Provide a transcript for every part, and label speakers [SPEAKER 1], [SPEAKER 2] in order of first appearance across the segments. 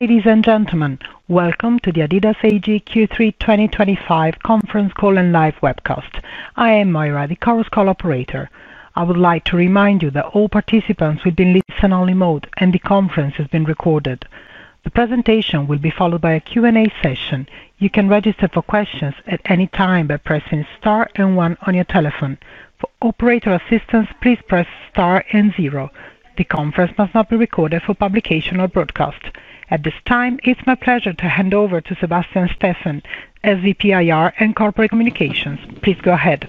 [SPEAKER 1] Ladies and gentlemen, welcome to the adidas AG Q3 2025 conference call and live webcast. I am Mayra, the Chorus Call operator. I would like to remind you that all participants will be in listen-only mode, and the conference is being recorded. The presentation will be followed by a Q&A session. You can register for questions at any time by pressing star and one on your telephone. For operator assistance, please press star and zero. The conference must not be recorded for publication or broadcast. At this time, it's my pleasure to hand over to Sebastian Steffen, SVP Investor Relations and Corporate Communications. Please go ahead.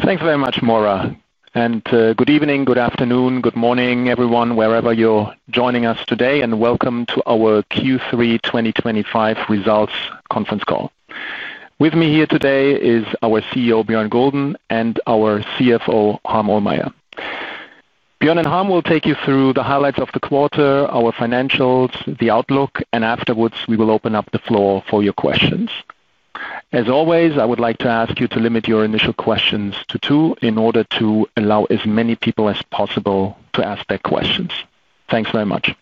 [SPEAKER 2] Thanks very much, Mayra. Good evening, good afternoon, good morning, everyone, wherever you're joining us today, and welcome to our Q3 2025 results conference call. With me here today is our CEO, Bjørn Gulden, and our CFO, Harm Ohlmeyer. Bjørn and Harm will take you through the highlights of the quarter, our financials, the outlook, and afterwards, we will open up the floor for your questions. As always, I would like to ask you to limit your initial questions to two in order to allow as many people as possible to ask their questions. Thanks very much.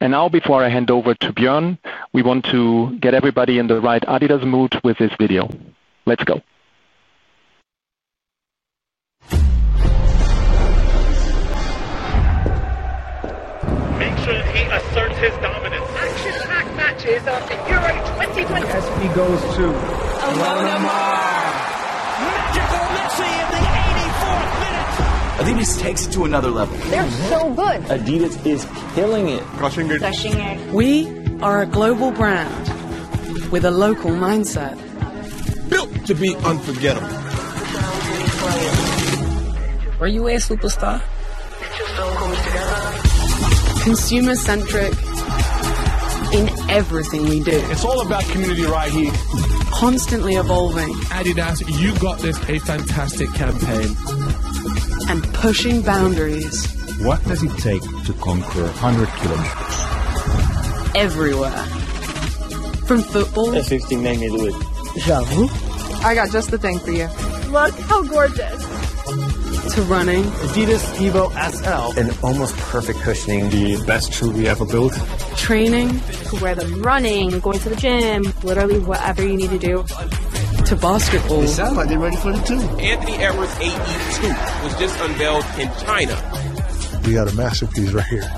[SPEAKER 2] Now, before I hand over to Bjørn, we want to get everybody in the right adidas mood with this video. Let's go. Action-packed matches are at the Euro 2025. expect the momentum to continue into 2025. Oh, come on! Magical mixing in the 84th minute. adidas takes it to another level. They're so good. adidas is killing it. Crushing it. We are a global brand with a local mindset. Built to be unforgettable. We're a U.S. Superstar. That just all comes together. Consumer-centric in everything we do. It's all about community right here. Constantly evolving. adidas, you got this a fantastic campaign. Pushing boundaries. What does it take to conquer 100 km? Everywhere, from football. That's 1,690, Louis. [Jaloux.] I got just the thing for you. Look how gorgeous. To running. adidas EVO SL. Almost perfect cushioning. The best shoe we ever built. Training. To wear them running, going to the gym, literally whatever you need to do. To basketball. Hey, Sal, are they ready for the two? Anthony Edwards AE2 was just unveiled in Greater China. We got a masterpiece right here.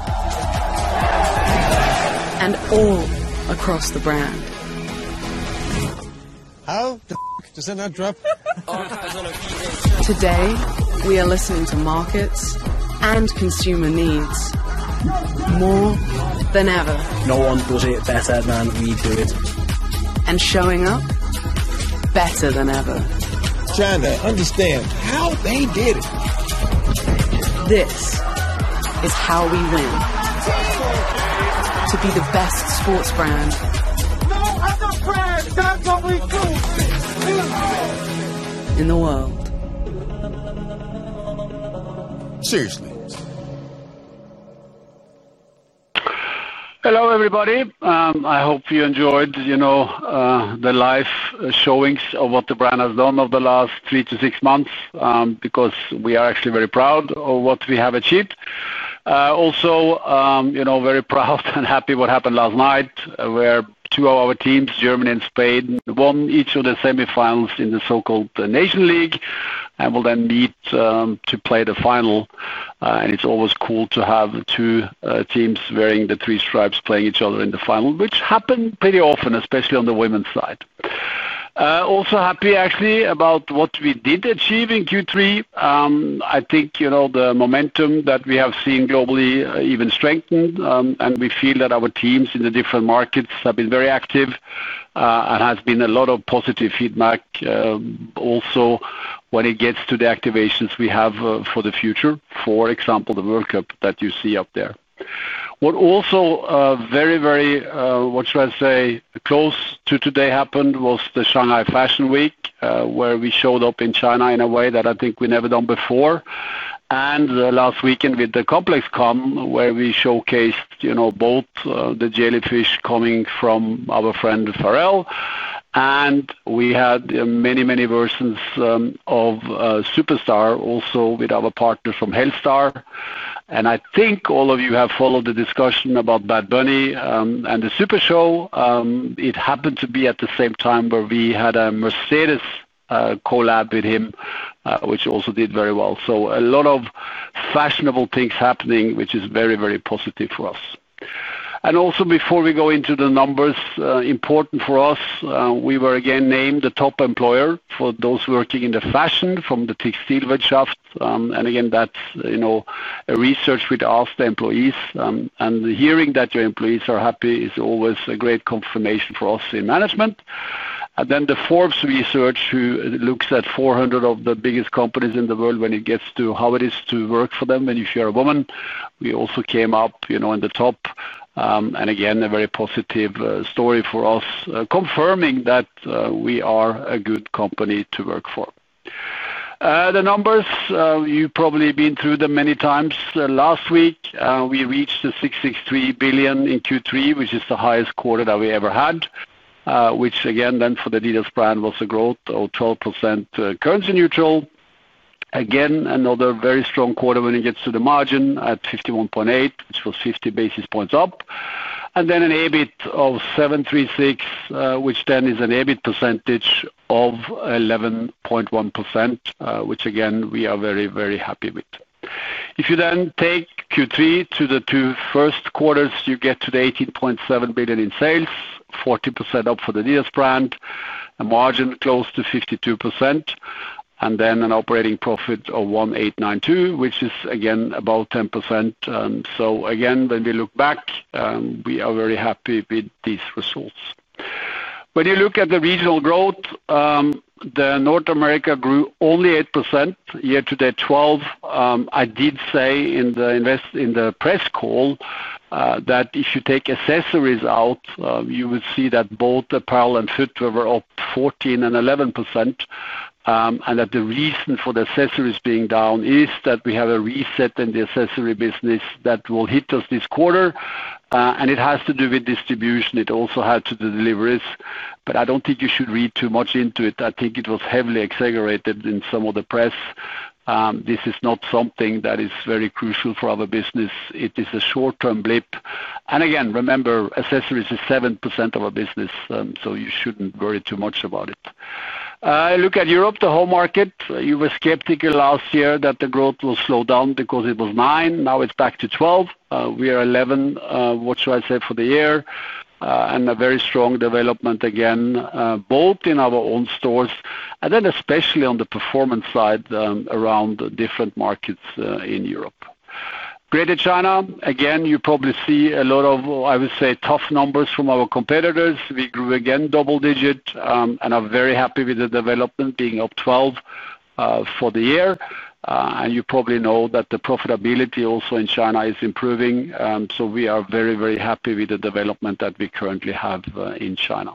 [SPEAKER 2] Across the brand. How does that not drop? Today, we are listening to markets and consumer needs more than ever. No one does it better than we do it. Showing up better than ever. China, understand how they did it. This is how we win. Test your game. To be the best sports brand. No other brand does what we do. In the world. Seriously.
[SPEAKER 3] Hello, everybody. I hope you enjoyed, you know, the live showings of what the brand has done over the last three to six months because we are actually very proud of what we have achieved. Also, you know, very proud and happy what happened last night where two of our teams, Germany and Spain, won each of the semifinals in the so-called Nations League and will then meet to play the final. It's always cool to have two teams wearing the three stripes playing each other in the final, which happened pretty often, especially on the women's side. Also, happy actually about what we did achieve in Q3. I think, you know, the momentum that we have seen globally even strengthened. We feel that our teams in the different markets have been very active, and there has been a lot of positive feedback. Also, when it gets to the activations we have for the future, for example, the World Cup that you see up there. What also, very, very, what should I say, close to today happened was the Shanghai Fashion Week, where we showed up in China in a way that I think we've never done before. The last weekend with the ComplexCon where we showcased, you know, both the Jellyfish coming from our friend Pharrell, and we had many, many versions of Superstar, also with our partner from HELLSTAR. I think all of you have followed the discussion about Bad Bunny and the Super Show. It happened to be at the same time where we had a Mercedes collab with him, which also did very well. A lot of fashionable things happening, which is very, very positive for us. Also, before we go into the numbers, important for us, we were again named the top employer for those working in the fashion from the textile workshops. Again, that's, you know, a research with us, the employees. Hearing that your employees are happy is always a great confirmation for us in management. Then the Forbes research, who looks at 400 of the biggest companies in the world when it gets to how it is to work for them. If you're a woman, we also came up, you know, in the top. Again, a very positive story for us, confirming that we are a good company to work for. The numbers, you've probably been through them many times. Last week, we reached 6.63 billion in Q3, which is the highest quarter that we ever had. Which again, then for the adidas brand, was a growth of 12%, currency neutral. Again, another very strong quarter when it gets to the margin at 51.8%, which was 50 basis points up. And then an EBIT of 736 million, which then is an EBIT percentage of 11.1%, which again, we are very, very happy with. If you then take Q3 to the two first quarters, you get to the 18.7 billion in sales, 40% up for the adidas brand, a margin close to 52%, and then an operating profit of 1,892 million, which is again about 10%. When we look back, we are very happy with these results. When you look at the regional growth, North America grew only 8%, year to date 12%. I did say in the press call that if you take accessories out, you would see that both the apparel and footwear were up 14% and 11%, and that the reason for the accessories being down is that we have a reset in the accessory business that will hit us this quarter. It has to do with distribution. It also had to do with deliveries. I don't think you should read too much into it. I think it was heavily exaggerated in some of the press. This is not something that is very crucial for our business. It is a short-term blip. Remember, accessories are 7% of our business, so you shouldn't worry too much about it. I look at Europe, the home market. You were skeptical last year that the growth would slow down because it was 9%. Now it's back to 12%. We are 11%. What should I say for the year? A very strong development again, both in our own stores and then especially on the performance side, around different markets in Europe. Greater China, again, you probably see a lot of, I would say, tough numbers from our competitors. We grew again double-digit, and are very happy with the development being up 12% for the year. You probably know that the profitability also in China is improving, so we are very, very happy with the development that we currently have in China.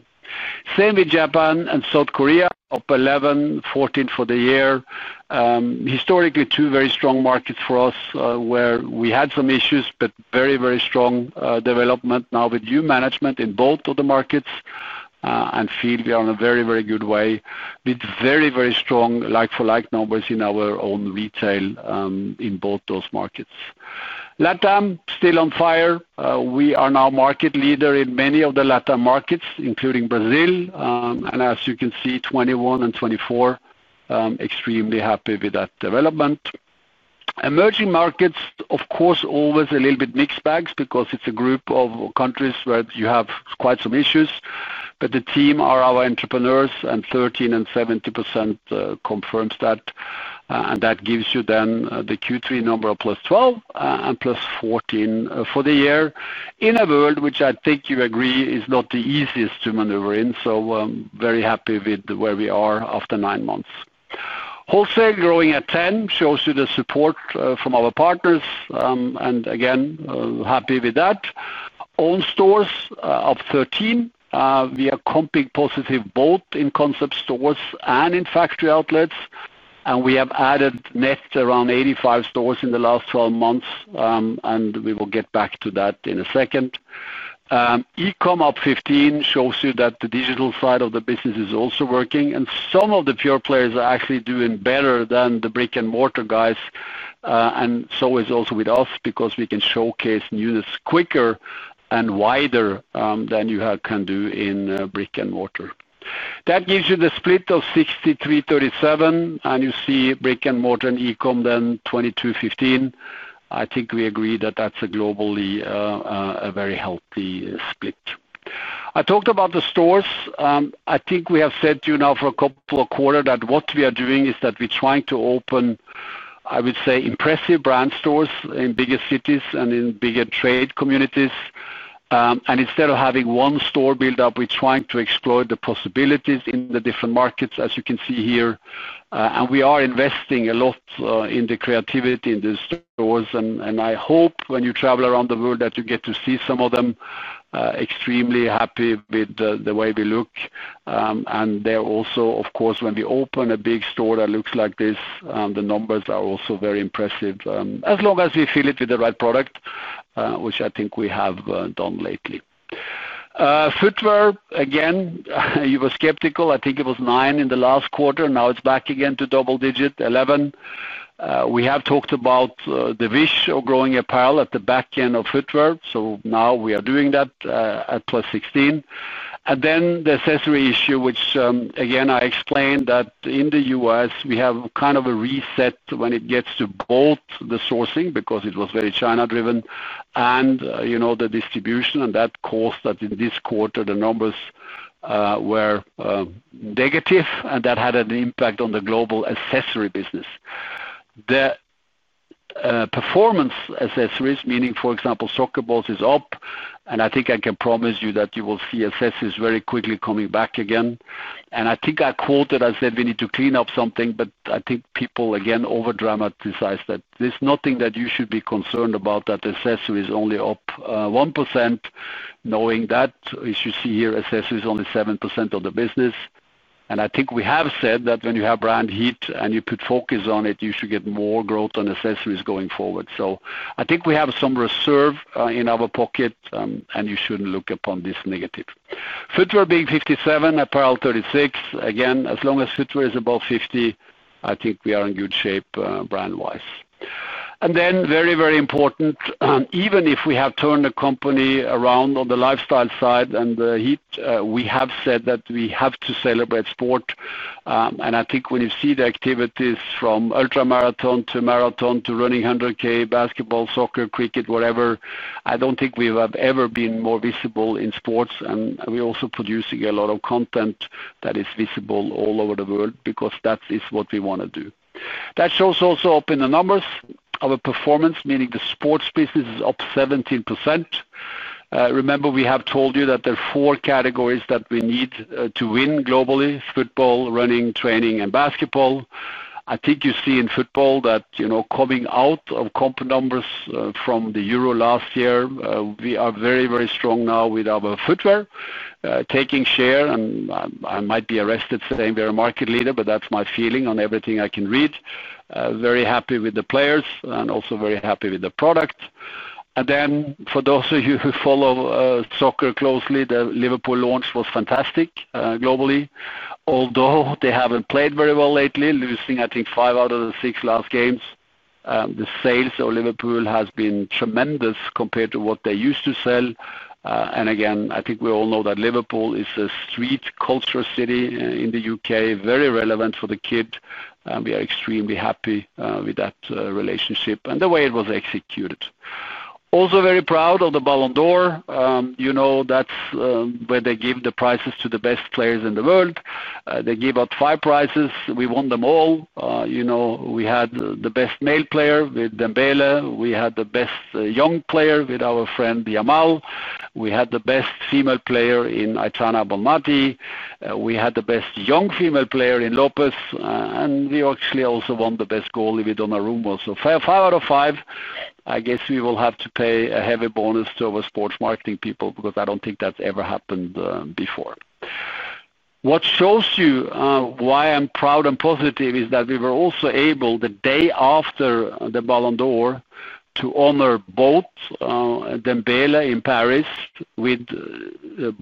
[SPEAKER 3] Same with Japan and South Korea, up 11%, 14% for the year. Historically, two very strong markets for us, where we had some issues, but very, very strong development now with new management in both of the markets, and feel we are in a very, very good way with very, very strong like-for-like numbers in our own retail in both those markets. Latin America still on fire. We are now market leader in many of the Latin America markets, including Brazil, and as you can see, 21% and 24%, extremely happy with that development. Emerging markets, of course, always a little bit mixed bags because it's a group of countries where you have quite some issues. The team are our entrepreneurs, and 13% and 70% confirms that. That gives you then the Q3 number of +12%, and +14% for the year in a world which I think you agree is not the easiest to maneuver in. Very happy with where we are after nine months. Wholesale growing at 10% shows you the support from our partners, and again, happy with that. Owned stores up 13%. We are comping positive both in concept stores and in factory outlets. We have added net around 85 stores in the last 12 months, and we will get back to that in a second. E-com up 15% shows you that the digital side of the business is also working. Some of the pure players are actually doing better than the brick-and-mortar guys, and so is also with us because we can showcase newness quicker and wider than you can do in brick-and-mortar. That gives you the split of 63, 37, and you see brick-and-mortar and e-com then 22, 15. I think we agree that that's globally a very healthy split. I talked about the stores. I think we have said to you now for a couple of quarters that what we are doing is that we're trying to open, I would say, impressive brand stores in bigger cities and in bigger trade communities. Instead of having one store build up, we're trying to exploit the possibilities in the different markets, as you can see here. We are investing a lot in the creativity in the stores. I hope when you travel around the world that you get to see some of them. Extremely happy with the way we look, and they're also, of course, when we open a big store that looks like this, the numbers are also very impressive as long as we fill it with the right product, which I think we have done lately. Footwear, again, you were skeptical. I think it was 9% in the last quarter. Now it's back again to double-digit, 11%. We have talked about the wish of growing apparel at the back end of footwear. Now we are doing that at plus 16%. Then the accessory issue, which, again, I explain that in the U.S., we have kind of a reset when it gets to both the sourcing because it was very China-driven and, you know, the distribution, and that caused that in this quarter, the numbers were negative, and that had an impact on the global accessory business. The performance accessories, meaning, for example, soccer balls, is up. I think I can promise you that you will see accessories very quickly coming back again. I think I quoted, I said we need to clean up something, but I think people, again, overdramatize that there's nothing that you should be concerned about, that the accessory is only up 1%, knowing that, as you see here, accessories are only 7% of the business. I think we have said that when you have brand heat and you put focus on it, you should get more growth on accessories going forward. I think we have some reserve in our pocket, and you shouldn't look upon this negative. Footwear being 57%, apparel 36%. As long as footwear is above 50%, I think we are in good shape, brand-wise. Very, very important, even if we have turned the company around on the lifestyle side and the heat, we have said that we have to celebrate sport. I think when you see the activities from ultramarathon to marathon to running 100 km, basketball, soccer, cricket, whatever, I don't think we have ever been more visible in sports. We're also producing a lot of content that is visible all over the world because that is what we want to do. That shows also up in the numbers of performance, meaning the sports business is up 17%. Remember, we have told you that there are four categories that we need to win globally: football, running, training, and basketball. I think you see in football that, coming out of comp numbers from the Euro last year, we are very, very strong now with our footwear, taking share. I might be arrested saying we are a market leader, but that's my feeling on everything I can read. Very happy with the players and also very happy with the product. For those of you who follow soccer closely, the Liverpool launch was fantastic, globally. Although they haven't played very well lately, losing, I think, five out of the six last games, the sales of Liverpool have been tremendous compared to what they used to sell. I think we all know that Liverpool is a street culture city in the U.K., very relevant for the kid. We are extremely happy with that relationship and the way it was executed. Also, very proud of the Ballon d'Or. That's where they give the prizes to the best players in the world. They give out five prizes. We won them all. We had the best male player with Dembélé. We had the best young player with our friend Yamal. We had the best female player in Aitana Bonmati. We had the best young female player in Lopez. We actually also won the best goal with Donnarumma. Five out of five, I guess we will have to pay a heavy bonus to our sports marketing people because I don't think that's ever happened before. What shows you why I'm proud and positive is that we were also able, the day after the Ballon d'Or, to honor both Dembélé in Paris with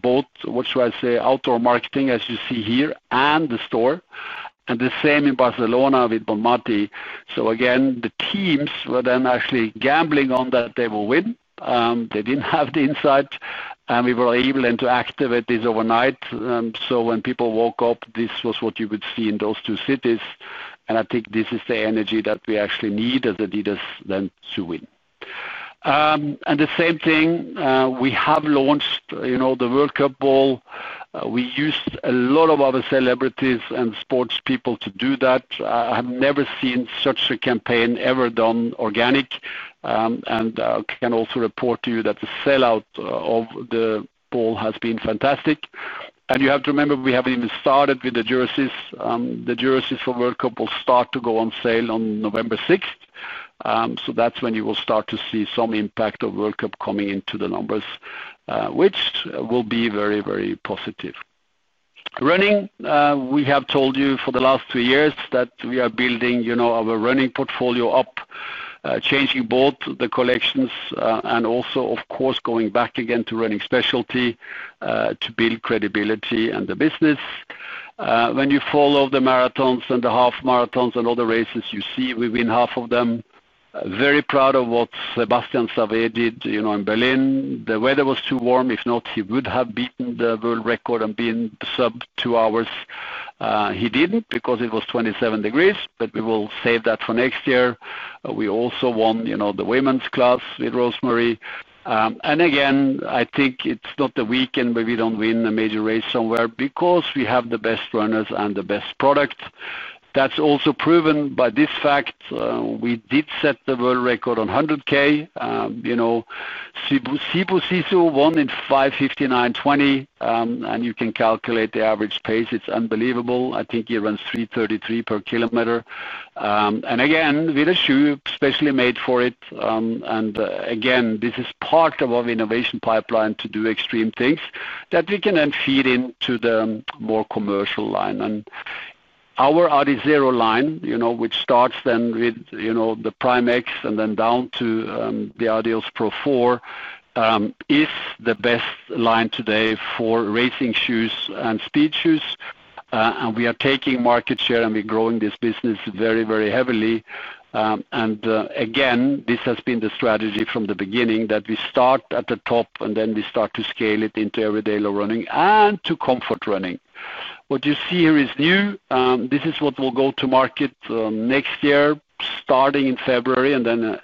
[SPEAKER 3] both, what should I say, outdoor marketing, as you see here, and the store. The same in Barcelona with Bonmati. Again, the teams were then actually gambling on that they will win. They didn't have the insight, and we were able then to activate this overnight. When people woke up, this was what you would see in those two cities. I think this is the energy that we actually need as adidas then to win. The same thing, we have launched, you know, the World Cup ball. We used a lot of our celebrities and sports people to do that. I have never seen such a campaign ever done organic. I can also report to you that the sell-out of the ball has been fantastic. You have to remember, we haven't even started with the jerseys. The jerseys for World Cup will start to go on sale on November 6th. That's when you will start to see some impact of World Cup coming into the numbers, which will be very, very positive. Running, we have told you for the last three years that we are building, you know, our running portfolio up, changing both the collections, and also, of course, going back again to running specialty, to build credibility in the business. When you follow the marathons and the half marathons and all the races, you see we win half of them. Very proud of what Sebastian Savet did, you know, in Berlin. The weather was too warm. If not, he would have beaten the world record and been sub two hours. He didn't because it was 27 degrees, but we will save that for next year. We also won, you know, the women's class with Rosemary. Again, I think it's not the weekend where we don't win a major race somewhere because we have the best runners and the best product. That's also proven by this fact. We did set the world record on 100 km. You know, Sibusiso won in 5:59:20. You can calculate the average pace. It's unbelievable. I think he runs 3:33 per kilometer. Again, with a shoe specially made for it. Again, this is part of our innovation pipeline to do extreme things that we can then feed into the more commercial line. Our Adizero line, which starts with the Prime X and then down to the Adios Pro 4, is the best line today for racing shoes and speed shoes. We are taking market share and we're growing this business very, very heavily. This has been the strategy from the beginning that we start at the top and then we start to scale it into everyday running and to comfort running. What you see here is new. This is what will go to market next year, starting in February and then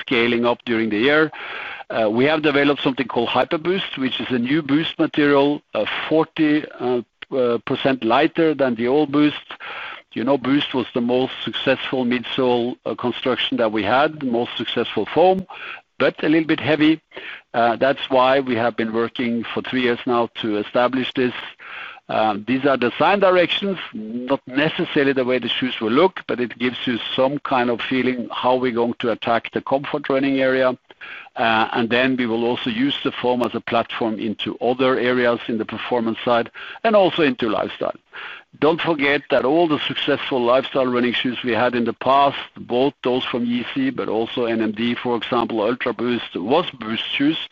[SPEAKER 3] scaling up during the year. We have developed something Hyperboost, which is a new Boost material, 40% lighter than the old Boost. Boost was the most successful midsole construction that we had, the most successful foam, but a little bit heavy. That's why we have been working for three years now to establish this. These are design directions, not necessarily the way the shoes will look, but it gives you some kind of feeling how we're going to attack the comfort running area. We will also use the foam as a platform into other areas in the performance side and also into lifestyle. Don't forget that all the successful lifestyle running shoes we had in the past, both those from EC, but also NMD, for example, Ultraboost was Boost shoes.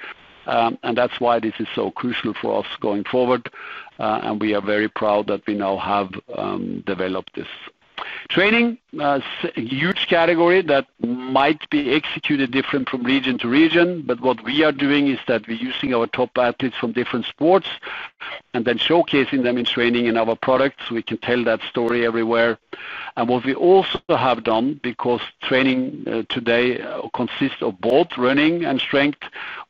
[SPEAKER 3] That's why this is so crucial for us going forward. We are very proud that we now have developed this. Training, a huge category that might be executed different from region to region, but what we are doing is that we're using our top athletes from different sports and then showcasing them in training and our products so we can tell that story everywhere. What we also have done, because training today consists of both running and strength,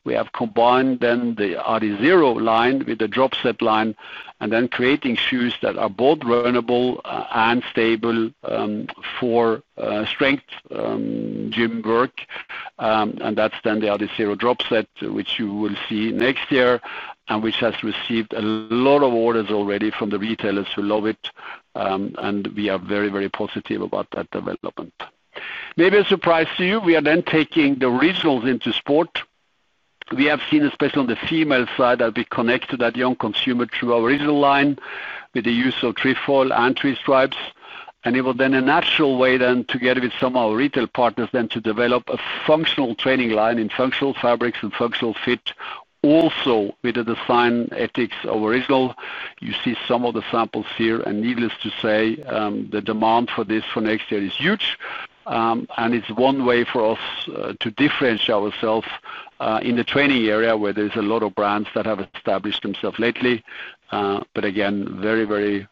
[SPEAKER 3] we have combined the Adizero line with the drop set line and then creating shoes that are both runnable and stable for strength, gym work. That's the Adizero drop set, which you will see next year and which has received a lot of orders already from the retailers who love it. We are very, very positive about that development. Maybe a surprise to you, we are then taking the regionals into sport. We have seen, especially on the female side, that we connect to that young consumer through our regional line with the use of 3-foil and 3-stripes. It was then a natural way together with some of our retail partners to develop a functional training line in functional fabrics and functional fit, also with the design ethics of Originals. You see some of the samples here. Needless to say, the demand for this for next year is huge. It is one way for us to differentiate ourselves in the training area where there are a lot of brands that have established themselves lately. Very, very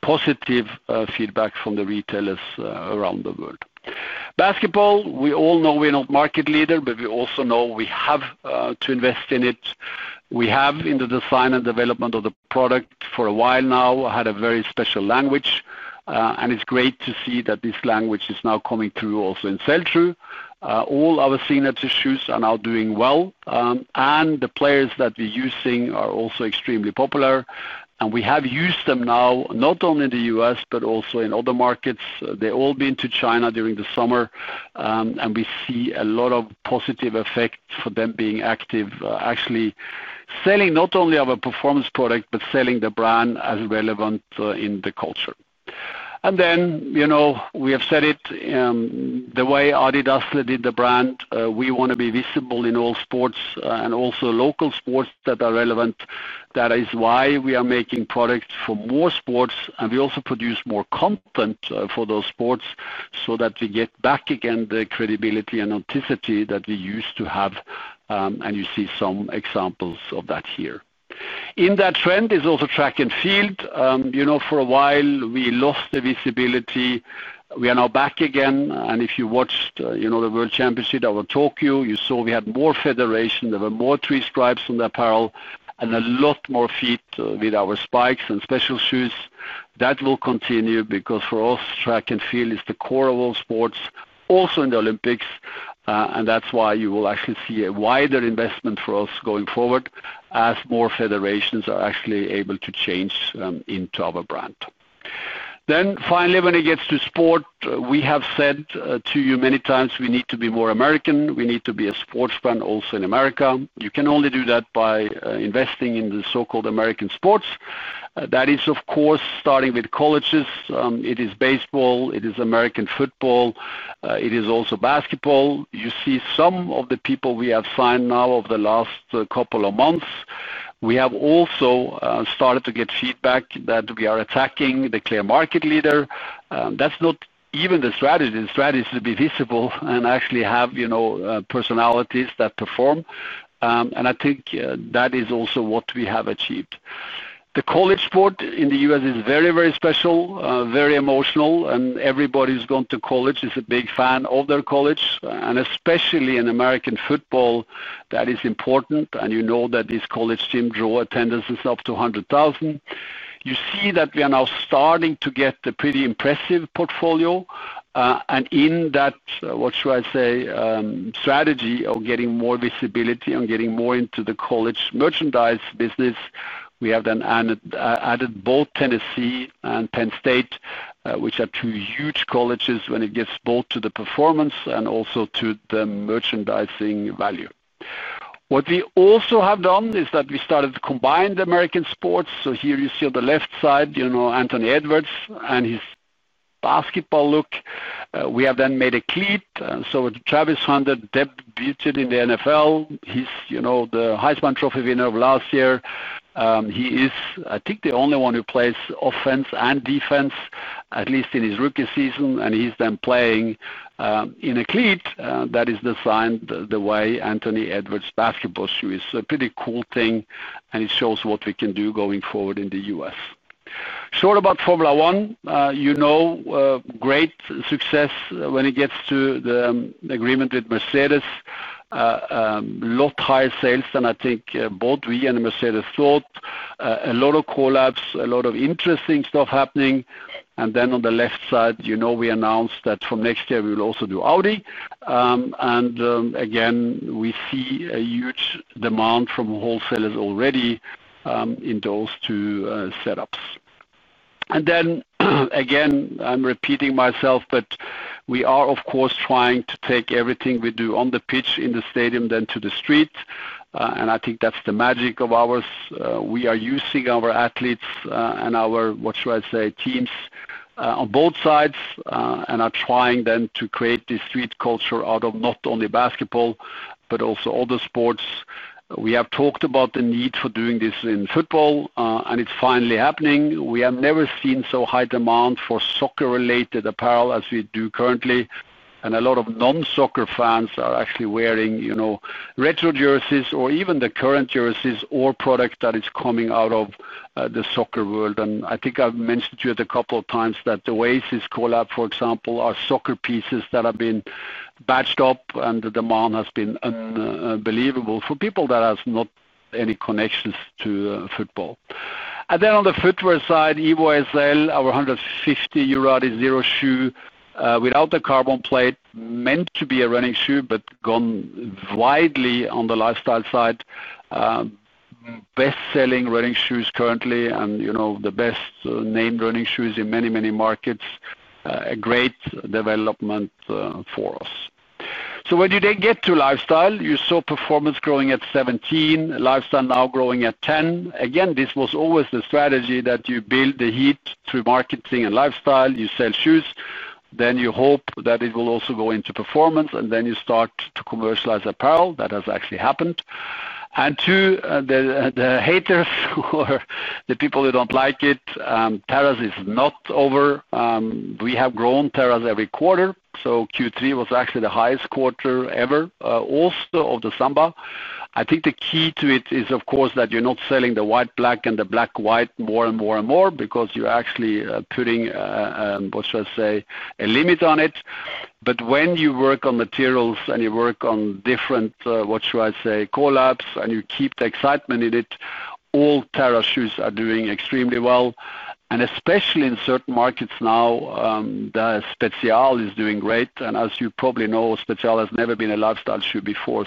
[SPEAKER 3] positive feedback from the retailers around the world. Basketball, we all know we're not market leader, but we also know we have to invest in it. We have, in the design and development of the product for a while now, had a very special language. It's great to see that this language is now coming through also in sell-through. All our signature shoes are now doing well, and the players that we're using are also extremely popular. We have used them now not only in the U.S., but also in other markets. They've all been to Greater China during the summer, and we see a lot of positive effects from them being active, actually selling not only our performance product, but selling the brand as relevant in the culture. We have said it, the way adidas did the brand, we want to be visible in all sports, and also local sports that are relevant. That is why we are making products for more sports. We also produce more content for those sports so that we get back again the credibility and authenticity that we used to have. You see some examples of that here. In that trend is also track and field. For a while, we lost the visibility. We are now back again. If you watched the World Championship or Tokyo, you saw we had more federation. There were more 3-stripes on the apparel and a lot more feet with our spikes and special shoes. That will continue because for us, track and field is the core of all sports, also in the Olympics. That's why you will actually see a wider investment for us going forward as more federations are actually able to change into our brand. Finally, when it gets to sport, we have said to you many times, we need to be more American. We need to be a sports brand also in America. You can only do that by investing in the so-called American sports. That is, of course, starting with colleges. It is baseball. It is American football. It is also basketball. You see some of the people we have signed now over the last couple of months. We have also started to get feedback that we are attacking the clear market leader. That's not even the strategy. The strategy is to be visible and actually have, you know, personalities that perform. I think that is also what we have achieved. The college sport in the U.S. is very, very special, very emotional. Everybody who's gone to college is a big fan of their college. Especially in American football, that is important. You know that this college team draws attendances up to 100,000. You see that we are now starting to get a pretty impressive portfolio. In that, what should I say, strategy of getting more visibility and getting more into the college merchandise business, we have then added both Tennessee and Penn State, which are two huge colleges when it gets both to the performance and also to the merchandising value. What we also have done is that we started to combine the American sports. Here you see on the left side, you know, Anthony Edwards and his basketball look. We have then made a cleat. With Travis Hunter debuted in the NFL. He's, you know, the Heisman Trophy winner of last year. He is, I think, the only one who plays offense and defense, at least in his rookie season. He's then playing in a cleat that is designed the way Anthony Edwards' basketball shoe is. A pretty cool thing. It shows what we can do going forward in the U.S. Short about Formula One, you know, great success when it gets to the agreement with Mercedes. A lot higher sales than I think both we and Mercedes thought. A lot of call-ups, a lot of interesting stuff happening. On the left side, you know, we announced that from next year, we will also do Audi. Again, we see a huge demand from wholesalers already in those two setups. Again, I'm repeating myself, but we are, of course, trying to take everything we do on the pitch, in the stadium, then to the street. I think that's the magic of ours. We are using our athletes and our, what should I say, teams on both sides and are trying then to create this street culture out of not only basketball, but also other sports. We have talked about the need for doing this in football, and it's finally happening. We have never seen so high demand for soccer-related apparel as we do currently. A lot of non-soccer fans are actually wearing, you know, retro jerseys or even the current jerseys or products that are coming out of the soccer world. I think I've mentioned to you a couple of times that the Oasis collab, for example, are soccer pieces that have been batched up, and the demand has been unbelievable for people that have not any connections to football. On the footwear side, EVO SL, our 150 euro Adizero shoe, without the carbon plate, meant to be a running shoe, but gone widely on the lifestyle side. Best-selling running shoes currently and, you know, the best-named running shoes in many, many markets. A great development for us. When you then get to lifestyle, you saw performance growing at 17%, lifestyle now growing at 10%. This was always the strategy that you build the heat through marketing and lifestyle. You sell shoes, then you hope that it will also go into performance, and then you start to commercialize apparel. That has actually happened. To the haters or the people who don't like it, Terrace is not over. We have grown Terrace every quarter. Q3 was actually the highest quarter ever, also of the Samba. I think the key to it is, of course, that you're not selling the white, black, and the black, white more and more and more because you're actually putting, what should I say, a limit on it. When you work on materials and you work on different, what should I say, collabs and you keep the excitement in it, all Terrace shoes are doing extremely well. Especially in certain markets now, the Spezial is doing great. As you probably know, Spezial has never been a lifestyle shoe before.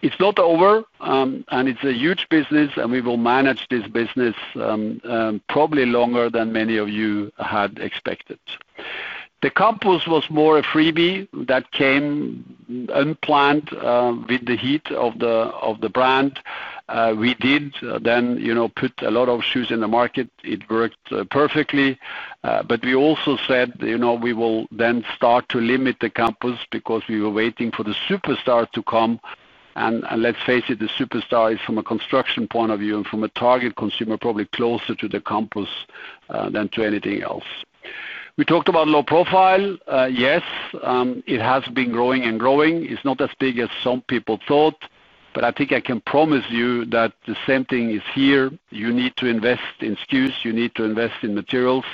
[SPEAKER 3] It's not over, and it's a huge business, and we will manage this business probably longer than many of you had expected. The Campus was more a freebie that came unplanned, with the heat of the brand. We did then, you know, put a lot of shoes in the market. It worked perfectly, but we also said, you know, we will then start to limit the Campus because we were waiting for the Superstar to come. Let's face it, the Superstar is from a construction point of view and from a target consumer probably closer to the Campus than to anything else. We talked about low profile. Yes, it has been growing and growing. It's not as big as some people thought, but I think I can promise you that the same thing is here. You need to invest in shoes. You need to invest in materials.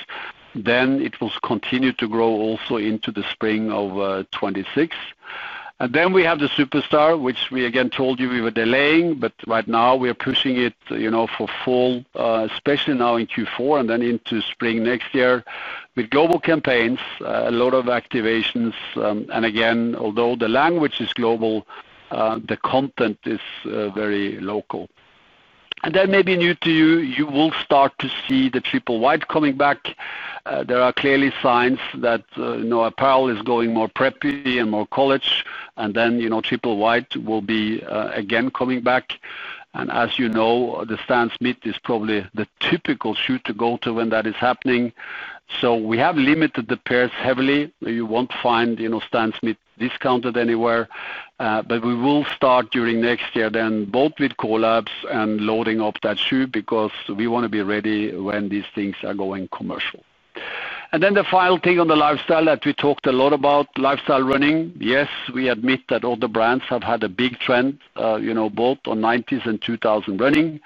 [SPEAKER 3] Then it will continue to grow also into the spring of 2026. We have the Superstar, which we again told you we were delaying, but right now we are pushing it for full, especially now in Q4 and then into spring next year with global campaigns and a lot of activations. Although the language is global, the content is very local. That may be new to you. You will start to see the Triple White coming back. There are clearly signs that apparel is going more preppy and more college. Triple White will be coming back. As you know, the Stan Smith is probably the typical shoe to go to when that is happening. We have limited the pairs heavily. You won't find Stan Smith discounted anywhere, but we will start during next year both with call-ups and loading up that shoe because we want to be ready when these things are going commercial. The final thing on the lifestyle that we talked a lot about is lifestyle running. Yes, we admit that all the brands have had a big trend, both on '90s and 2000 running,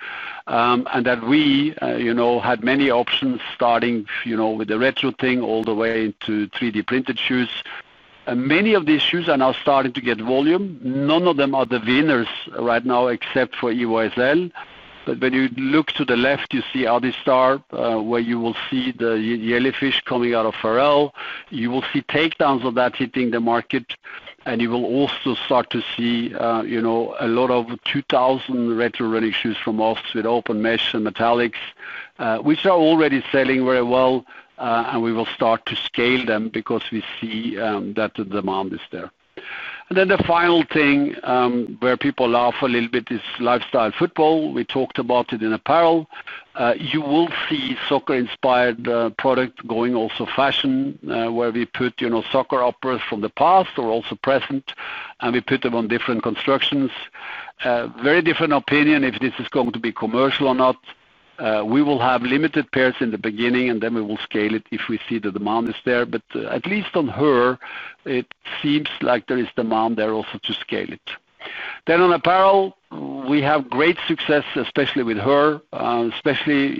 [SPEAKER 3] and that we had many options starting with the retro thing all the way into 3D printed shoes. Many of these shoes are now starting to get volume. None of them are the winners right now except for EVO SL. When you look to the left, you see Adistar, where you will see the yellowfish coming out of Pharrell. You will see takedowns of that hitting the market. You will also start to see a lot of 2000 retro running shoes from us with open mesh and metallics, which are already selling very well. We will start to scale them because we see that the demand is there. The final thing, where people laugh a little bit, is lifestyle football. We talked about it in apparel. You will see soccer-inspired products going also fashion, where we put soccer uppers from the past or also present, and we put them on different constructions. There is very different opinion if this is going to be commercial or not. We will have limited pairs in the beginning, and we will scale it if we see the demand is there. At least on her, it seems like there is demand there also to scale it. On apparel, we have great success, especially with her, especially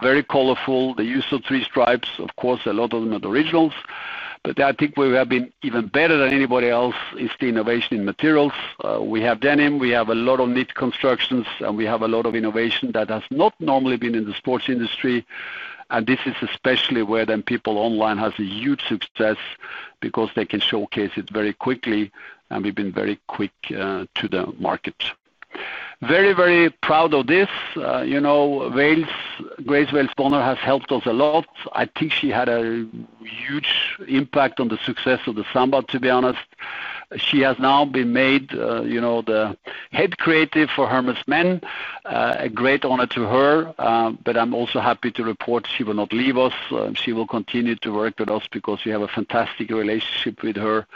[SPEAKER 3] very colorful. The use of three stripes, of course, a lot of them are the Originals. I think where we have been even better than anybody else is the innovation in materials. We have denim. We have a lot of knit constructions, and we have a lot of innovation that has not normally been in the sports industry. This is especially where people online have a huge success because they can showcase it very quickly, and we've been very quick to the market. Very, very proud of this. You know, Grace Wales Bonner has helped us a lot. I think she had a huge impact on the success of the Samba, to be honest. She has now been made the Head Creative for Hermès Men, a great honor to her. I'm also happy to report she will not leave us. She will continue to work with us because we have a fantastic relationship with her.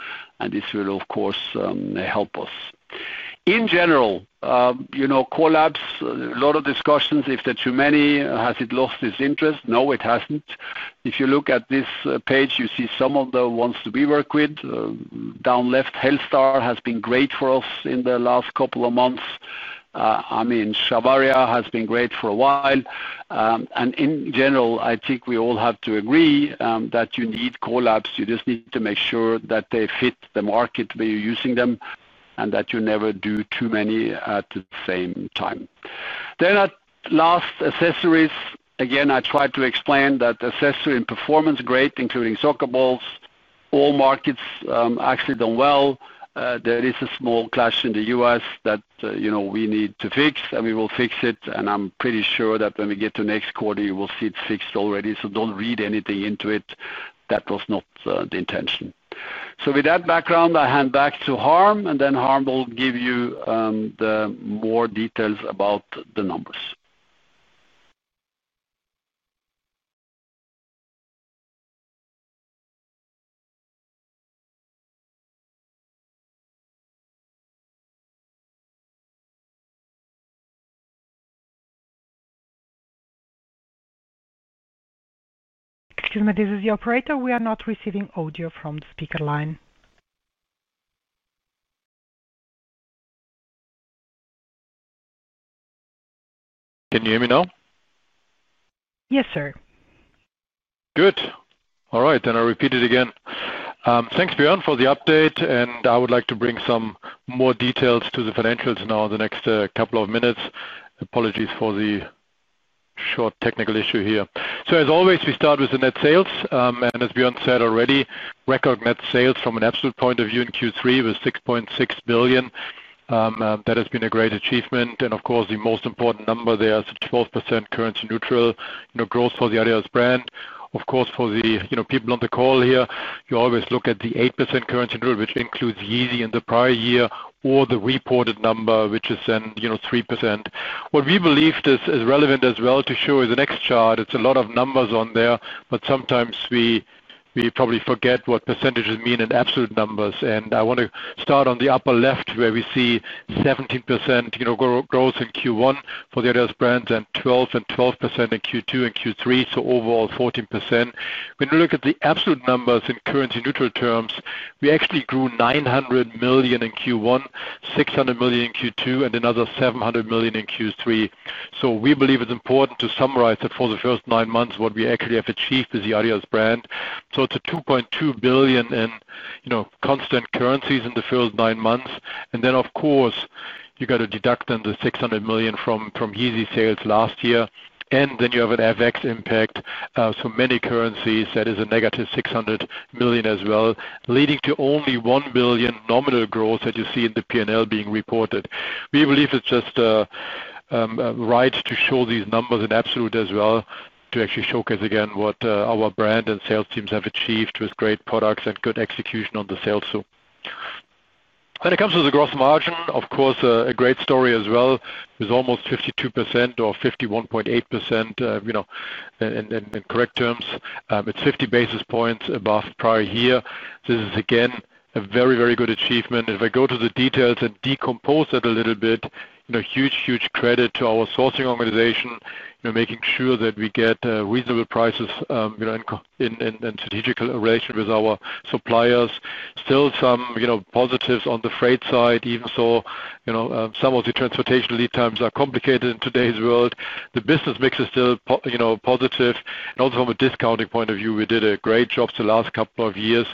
[SPEAKER 3] This will, of course, help us. In general, you know, collabs, a lot of discussions. If there are too many, has it lost its interest? No, it hasn't. If you look at this page, you see some of the ones that we work with. Down left, HELLSTAR has been great for us in the last couple of months. I mean, Shabaria has been great for a while. In general, I think we all have to agree that you need collabs. You just need to make sure that they fit the market where you're using them and that you never do too many at the same time. At last, accessories. Again, I tried to explain that accessory and performance are great, including soccer balls. All markets have actually done well. There is a small clash in the U.S. that we need to fix, and we will fix it. I'm pretty sure that when we get to next quarter, you will see it fixed already. Don't read anything into it. That was not the intention. With that background, I hand back to Harm, and then Harm will give you more details about the numbers.
[SPEAKER 1] Excuse me, this is the operator. We are not receiving audio from the speaker line.
[SPEAKER 4] Can you hear me now?
[SPEAKER 1] Yes, sir.
[SPEAKER 4] Good. All right. I'll repeat it again. Thanks, Bjørn, for the update. I would like to bring some more details to the financials now in the next couple of minutes. Apologies for the short technical issue here. As always, we start with the net sales. As Bjørn said already, record net sales from an absolute point of view in Q3 was 6.6 billion. That has been a great achievement. The most important number there is 12% currency neutral growth for the adidas brand. For the people on the call here, you always look at the 8% currency neutral, which includes Yeezy in the prior year, or the reported number, which is then 3%. What we believe is relevant as well to show is the next chart. It's a lot of numbers on there, but sometimes we probably forget what percentages mean in absolute numbers. I want to start on the upper left where we see 17% growth in Q1 for the adidas brand and 12% in Q2 and Q3. Overall, 14%. When you look at the absolute numbers in currency neutral terms, we actually grew 900 million in Q1, 600 million in Q2, and another 700 million in Q3. We believe it's important to summarize that for the first nine months, what we actually have achieved is the adidas brand. It's 2.2 billion in constant currencies in the first nine months. You have to deduct the 600 million from Yeezy sales last year. Then you have an FX impact, so many currencies, that is a negative 600 million as well, leading to only 1 billion nominal growth that you see in the P&L being reported. We believe it's right to show these numbers in absolute as well to actually showcase again what our brand and sales teams have achieved with great products and good execution on the sales too. When it comes to the gross margin, a great story as well. It was almost 52% or 51.8% in correct terms. It's 50 basis points above prior year. This is, again, a very, very good achievement. If I go to the details and decompose it a little bit, huge credit to our sourcing organization, making sure that we get reasonable prices in strategical relation with our suppliers. Still some positives on the freight side, even though some of the transportation lead times are complicated in today's world. The business mix is still positive. Also from a discounting point of view, we did a great job the last couple of years.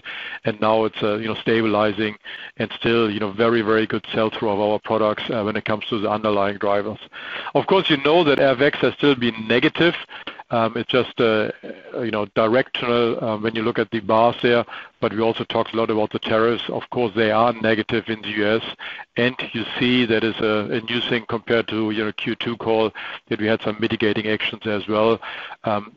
[SPEAKER 4] Now it's stabilizing and still very, very good sell-through of our products when it comes to the underlying drivers. Of course, you know that FX has still been negative. It's just directional when you look at the bars there. We also talked a lot about the tariffs. Of course, they are negative in the U.S., and you see that it's a new thing compared to, you know, the Q2 call that we had some mitigating actions as well.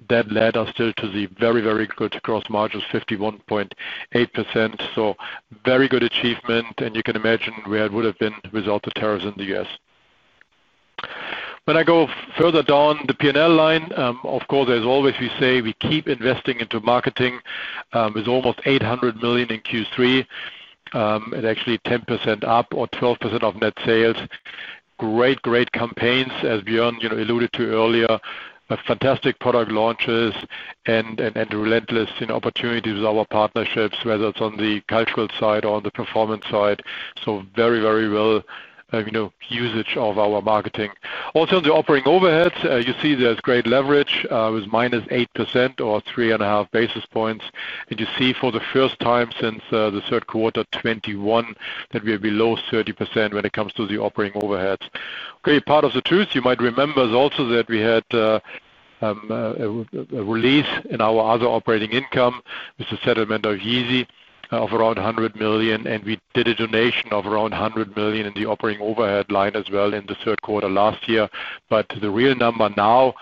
[SPEAKER 4] That led us still to the very, very good gross margin of 51.8%. Very good achievement. You can imagine where it would have been without the tariffs in the U.S. When I go further down the P&L line, of course, as always, we say we keep investing into marketing. It was almost 800 million in Q3. It actually 10% up or 12% of net sales. Great, great campaigns, as Bjørn alluded to earlier. Fantastic product launches and relentless opportunities with our partnerships, whether it's on the cultural side or on the performance side. Very, very well usage of our marketing. Also on the operating overheads, you see there's great leverage with minus 8% or three and a half basis points. You see for the first time since the third quarter 2021 that we are below 30% when it comes to the operating overheads. Part of the truth, you might remember, is also that we had a release in our other operating income with the settlement of Yeezy of around 100 million. We did a donation of around 100 million in the operating overhead line as well in the third quarter last year. The real number now,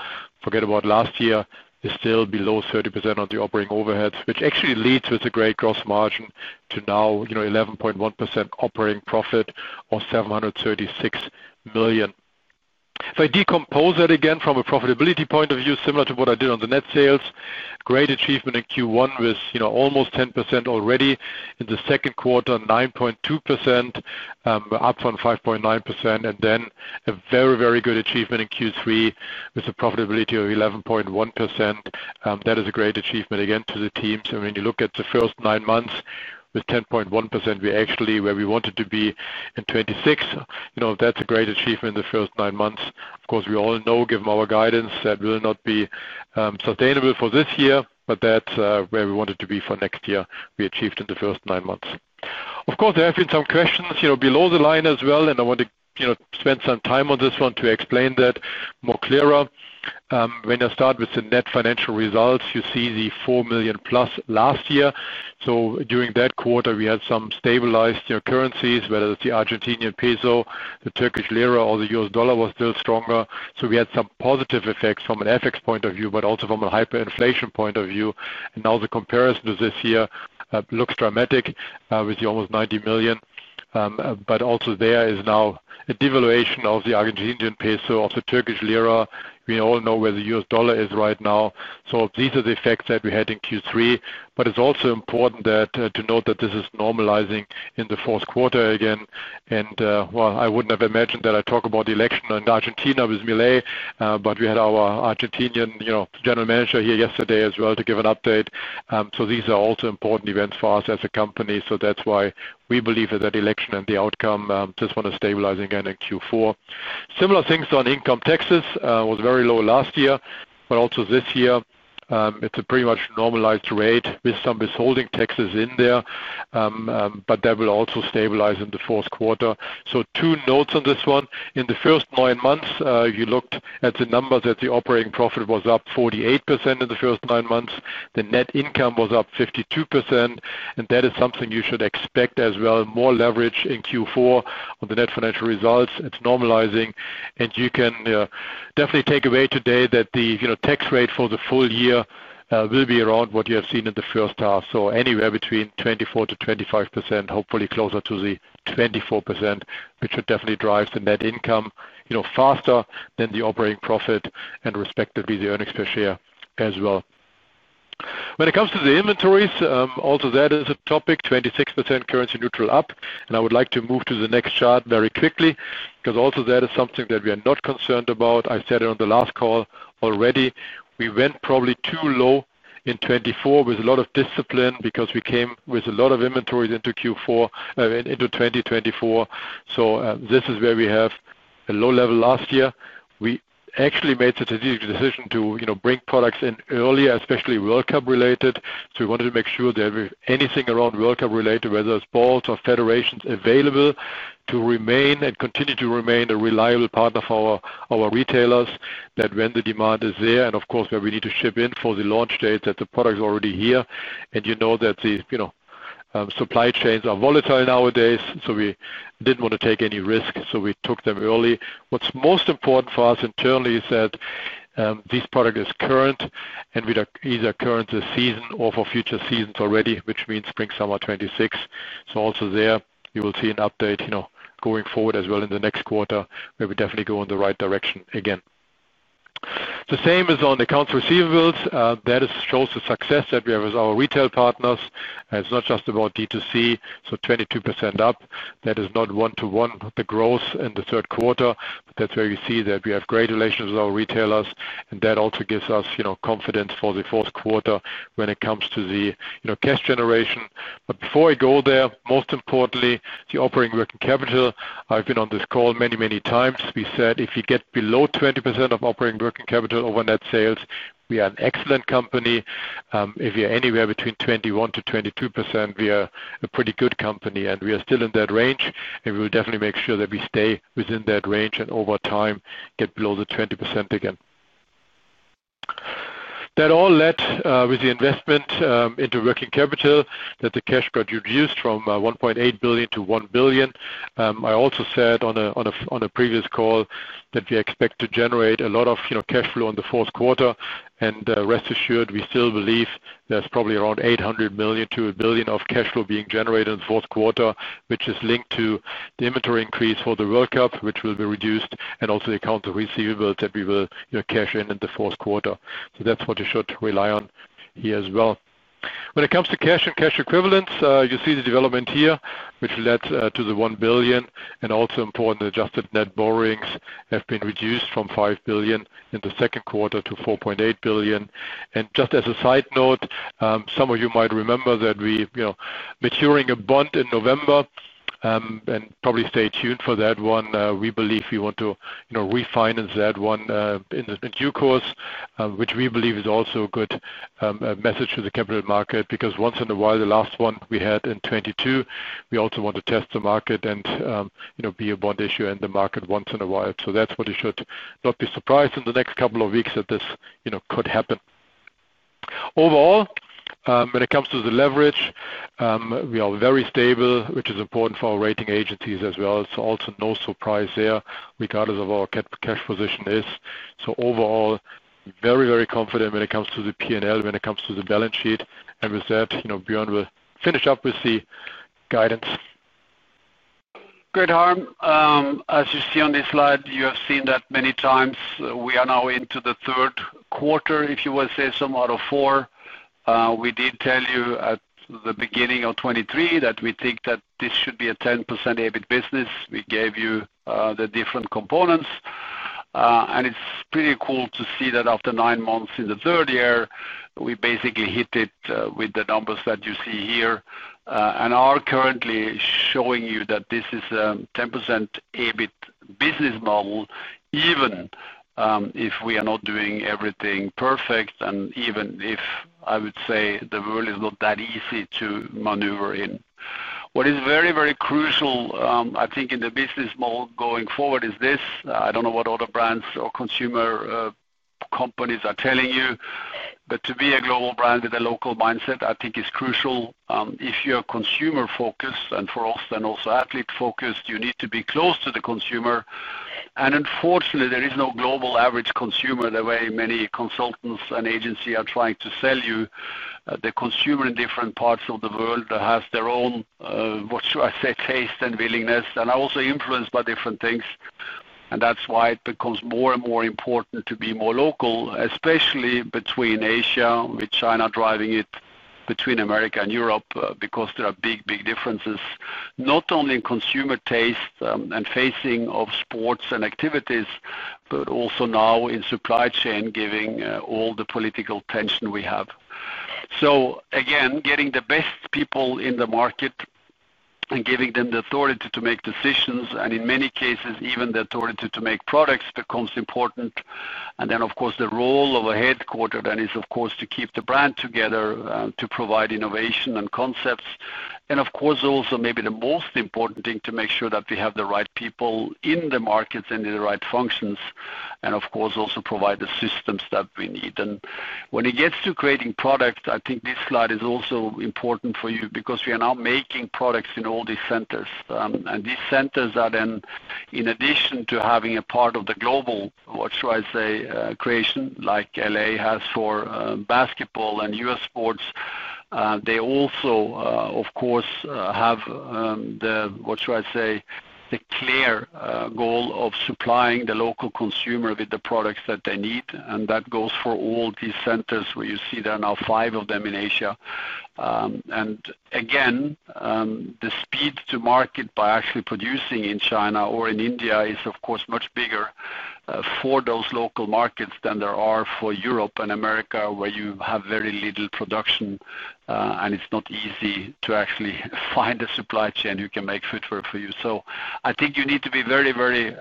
[SPEAKER 4] forget about last year, is still below 30% on the operating overheads, which actually leads with a great gross margin to now 11.1% operating profit or 736 million. If I decompose that again from a profitability point of view, similar to what I did on the net sales, great achievement in Q1 with almost 10% already. In the second quarter, 9.2%, up from 5.9%. Then a very, very good achievement in Q3 with a profitability of 11.1%. That is a great achievement again to the teams. I mean, you look at the first nine months with 10.1%. We actually, where we wanted to be in 2026, that's a great achievement in the first nine months. Of course, we all know, given our guidance, that will not be sustainable for this year, but that's where we wanted to be for next year, we achieved in the first nine months. Of course, there have been some questions, you know, below the line as well. I want to, you know, spend some time on this one to explain that more clearly. When I start with the net financial results, you see the 4 million plus last year. During that quarter, we had some stabilized, you know, currencies, whether it's the Argentinian peso, the Turkish lira, or the U.S. dollar was still stronger. We had some positive effects from an FX point of view, but also from a hyperinflation point of view. Now the comparison to this year looks dramatic, with the almost 90 million. There is now a devaluation of the Argentinian peso, of the Turkish lira. We all know where the U.S. dollar is right now. These are the effects that we had in Q3. It's also important to note that this is normalizing in the fourth quarter again. I wouldn't have imagined that I talk about the election in Argentina with Milei. We had our Argentinian, you know, general manager here yesterday as well to give an update. These are also important events for us as a company. That's why we believe that that election and the outcome just want to stabilize again in Q4. Similar things on income taxes. It was very low last year, but also this year, it's a pretty much normalized rate with some withholding taxes in there. That will also stabilize in the fourth quarter. Two notes on this one. In the first nine months, if you looked at the numbers, the operating profit was up 48% in the first nine months. The net income was up 52%. That is something you should expect as well. More leverage in Q4 on the net financial results. It's normalizing. You can definitely take away today that the, you know, tax rate for the full year will be around what you have seen in the first half. Anywhere between 24%-25%, hopefully closer to the 24%, which should definitely drive the net income, you know, faster than the operating profit and respectively the earnings per share as well. When it comes to the inventories, also that is a topic, 26% currency neutral up. I would like to move to the next chart very quickly because also that is something that we are not concerned about. I said it on the last call already. We went probably too low in 2024 with a lot of discipline because we came with a lot of inventories into Q4, into 2024. This is where we have a low level last year. We actually made the strategic decision to, you know, bring products in earlier, especially World Cup related. We wanted to make sure that if anything around World Cup related, whether it's balls or federations available, to remain and continue to remain a reliable partner for our retailers that when the demand is there and, of course, where we need to ship in for the launch dates that the product is already here. You know that the, you know, supply chains are volatile nowadays. We didn't want to take any risk. We took them early. What's most important for us internally is that this product is current and either current this season or for future seasons already, which means spring, summer 2026. Also there, you will see an update, you know, going forward as well in the next quarter where we definitely go in the right direction again. The same is on accounts receivables. That shows the success that we have with our retail partners. It's not just about D2C. 22% up. That is not one-to-one the growth in the third quarter. That's where we see that we have great relations with our retailers. That also gives us, you know, confidence for the fourth quarter when it comes to the, you know, cash generation. Before I go there, most importantly, the operating working capital. I've been on this call many, many times. We said if you get below 20% of operating working capital over net sales, we are an excellent company. If you're anywhere between 21%-22%, we are a pretty good company and we are still in that range. We will definitely make sure that we stay within that range and over time get below the 20% again. That all led with the investment into working capital that the cash got reduced from 1.8 billion to 1 billion. I also said on a previous call that we expect to generate a lot of, you know, cash flow in the fourth quarter. Rest assured, we still believe there's probably around 800 million-1 billion of cash flow being generated in the fourth quarter, which is linked to the inventory increase for the World Cup, which will be reduced, and also the accounts of receivables that we will cash in in the fourth quarter. That's what you should rely on here as well. When it comes to cash and cash equivalents, you see the development here, which led to the 1 billion. Also important, adjusted net borrowings have been reduced from 5 billion in the second quarter to 4.8 billion. Just as a side note, some of you might remember that we are maturing a bond in November. Probably stay tuned for that one. We believe we want to refinance that one in due course, which we believe is also a good message to the capital market because once in a while, the last one we had in 2022, we also want to test the market and be a bond issuer in the market once in a while. You should not be surprised in the next couple of weeks that this could happen. Overall, when it comes to the leverage, we are very stable, which is important for our rating agencies as well. There is also no surprise there regardless of what our cash position is. Overall, very, very confident when it comes to the P&L and the balance sheet. With that, Bjørn will finish up with the guidance.
[SPEAKER 3] As you see on this slide, you have seen that many times, we are now into the third quarter, if you will say, some out of four. We did tell you at the beginning of 2023 that we think that this should be a 10% EBIT business. We gave you the different components, and it's pretty cool to see that after nine months in the third year, we basically hit it with the numbers that you see here and are currently showing you that this is a 10% EBIT business model, even if we are not doing everything perfect and even if I would say the world is not that easy to maneuver in. What is very, very crucial, I think, in the business model going forward is this. I don't know what other brands or consumer companies are telling you. To be a global brand with a local mindset, I think it's crucial. If you're consumer-focused, and for us, then also athlete-focused, you need to be close to the consumer. Unfortunately, there is no global average consumer the way many consultants and agencies are trying to sell you. The consumer in different parts of the world has their own, what should I say, taste and willingness. They are also influenced by different things. That's why it becomes more and more important to be more local, especially between Asia, with Greater China driving it, between America and Europe, because there are big, big differences, not only in consumer tastes and facing of sports and activities, but also now in supply chain, given all the political tension we have. Again, getting the best people in the market and giving them the authority to make decisions, and in many cases, even the authority to make products becomes important. Of course, the role of a headquarter then is to keep the brand together, to provide innovation and concepts. Also, maybe the most important thing is to make sure that we have the right people in the markets and in the right functions. Of course, also provide the systems that we need. When it gets to creating products, I think this slide is also important for you because we are now making products in all these centers. These centers are then, in addition to having a part of the global, what should I say, creation, like LA has for basketball and U.S. sports, they also have the clear goal of supplying the local consumer with the products that they need. That goes for all these centers where you see there are now five of them in Asia. Again, the speed to market by actually producing in China or in India is much bigger for those local markets than there is for Europe and America where you have very little production, and it's not easy to actually find a supply chain who can make footwear for you. I think you need to be very, very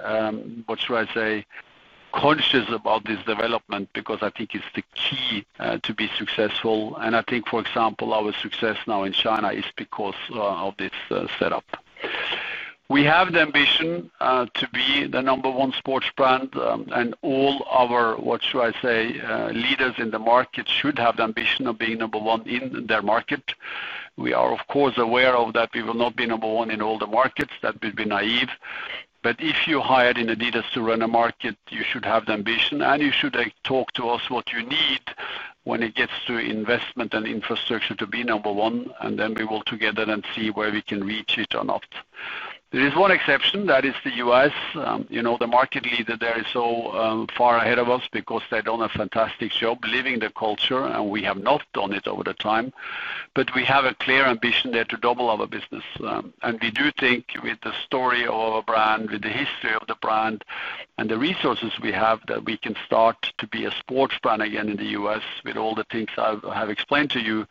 [SPEAKER 3] conscious about this development because I think it's the key to be successful. For example, our success now in China is because of this setup. We have the ambition to be the number one sports brand, and all our leaders in the market should have the ambition of being number one in their market. We are aware that we will not be number one in all the markets. That would be naive. If you're hired in adidas to run a market, you should have the ambition and you should talk to us about what you need when it gets to investment and infrastructure to be number one. We will together then see where we can reach it or not. There is one exception. That is the U.S. The market leader there is so far ahead of us because they've done a fantastic job living the culture, and we have not done it over the time. We have a clear ambition there to double our business. We do think with the story of our brand, with the history of the brand, and the resources we have, that we can start to be a sports brand again in the U.S. with all the things I have explained to you,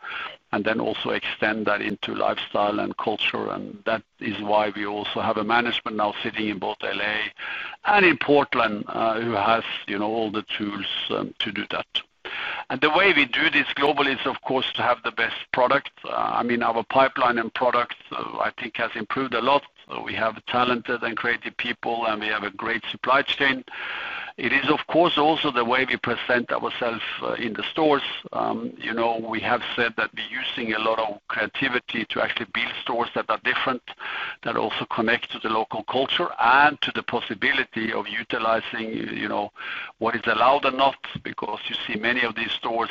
[SPEAKER 3] and also extend that into lifestyle and culture. That is why we also have management now sitting in both L.A. and in Portland, who has all the tools to do that. The way we do this globally is, of course, to have the best product. Our pipeline and products, I think, has improved a lot. We have talented and creative people, and we have a great supply chain. It is, of course, also the way we present ourselves in the stores. We have said that we're using a lot of creativity to actually build stores that are different, that also connect to the local culture and to the possibility of utilizing what is allowed or not, because you see many of these stores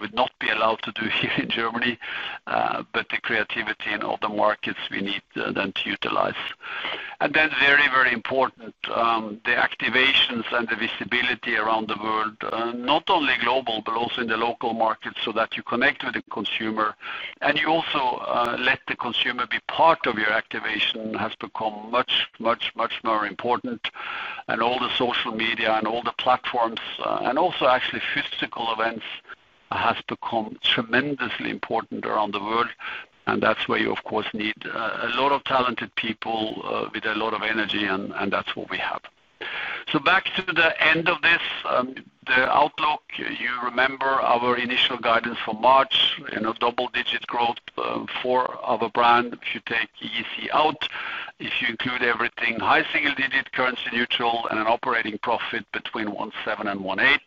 [SPEAKER 3] would not be allowed to do here in Germany. The creativity in other markets, we need them to utilize. Very, very important are the activations and the visibility around the world, not only global, but also in the local markets so that you connect with the consumer. You also let the consumer be part of your activation, which has become much, much, much more important. All the social media and all the platforms, and also actually physical events, have become tremendously important around the world. That's where you, of course, need a lot of talented people with a lot of energy, and that's what we have. Back to the end of this, the outlook, you remember our initial guidance for March, double-digit growth for our brand. If you take Yeezy out, if you include everything, high single-digit currency neutral and an operating profit between 1.7 billion and 1.8 billion.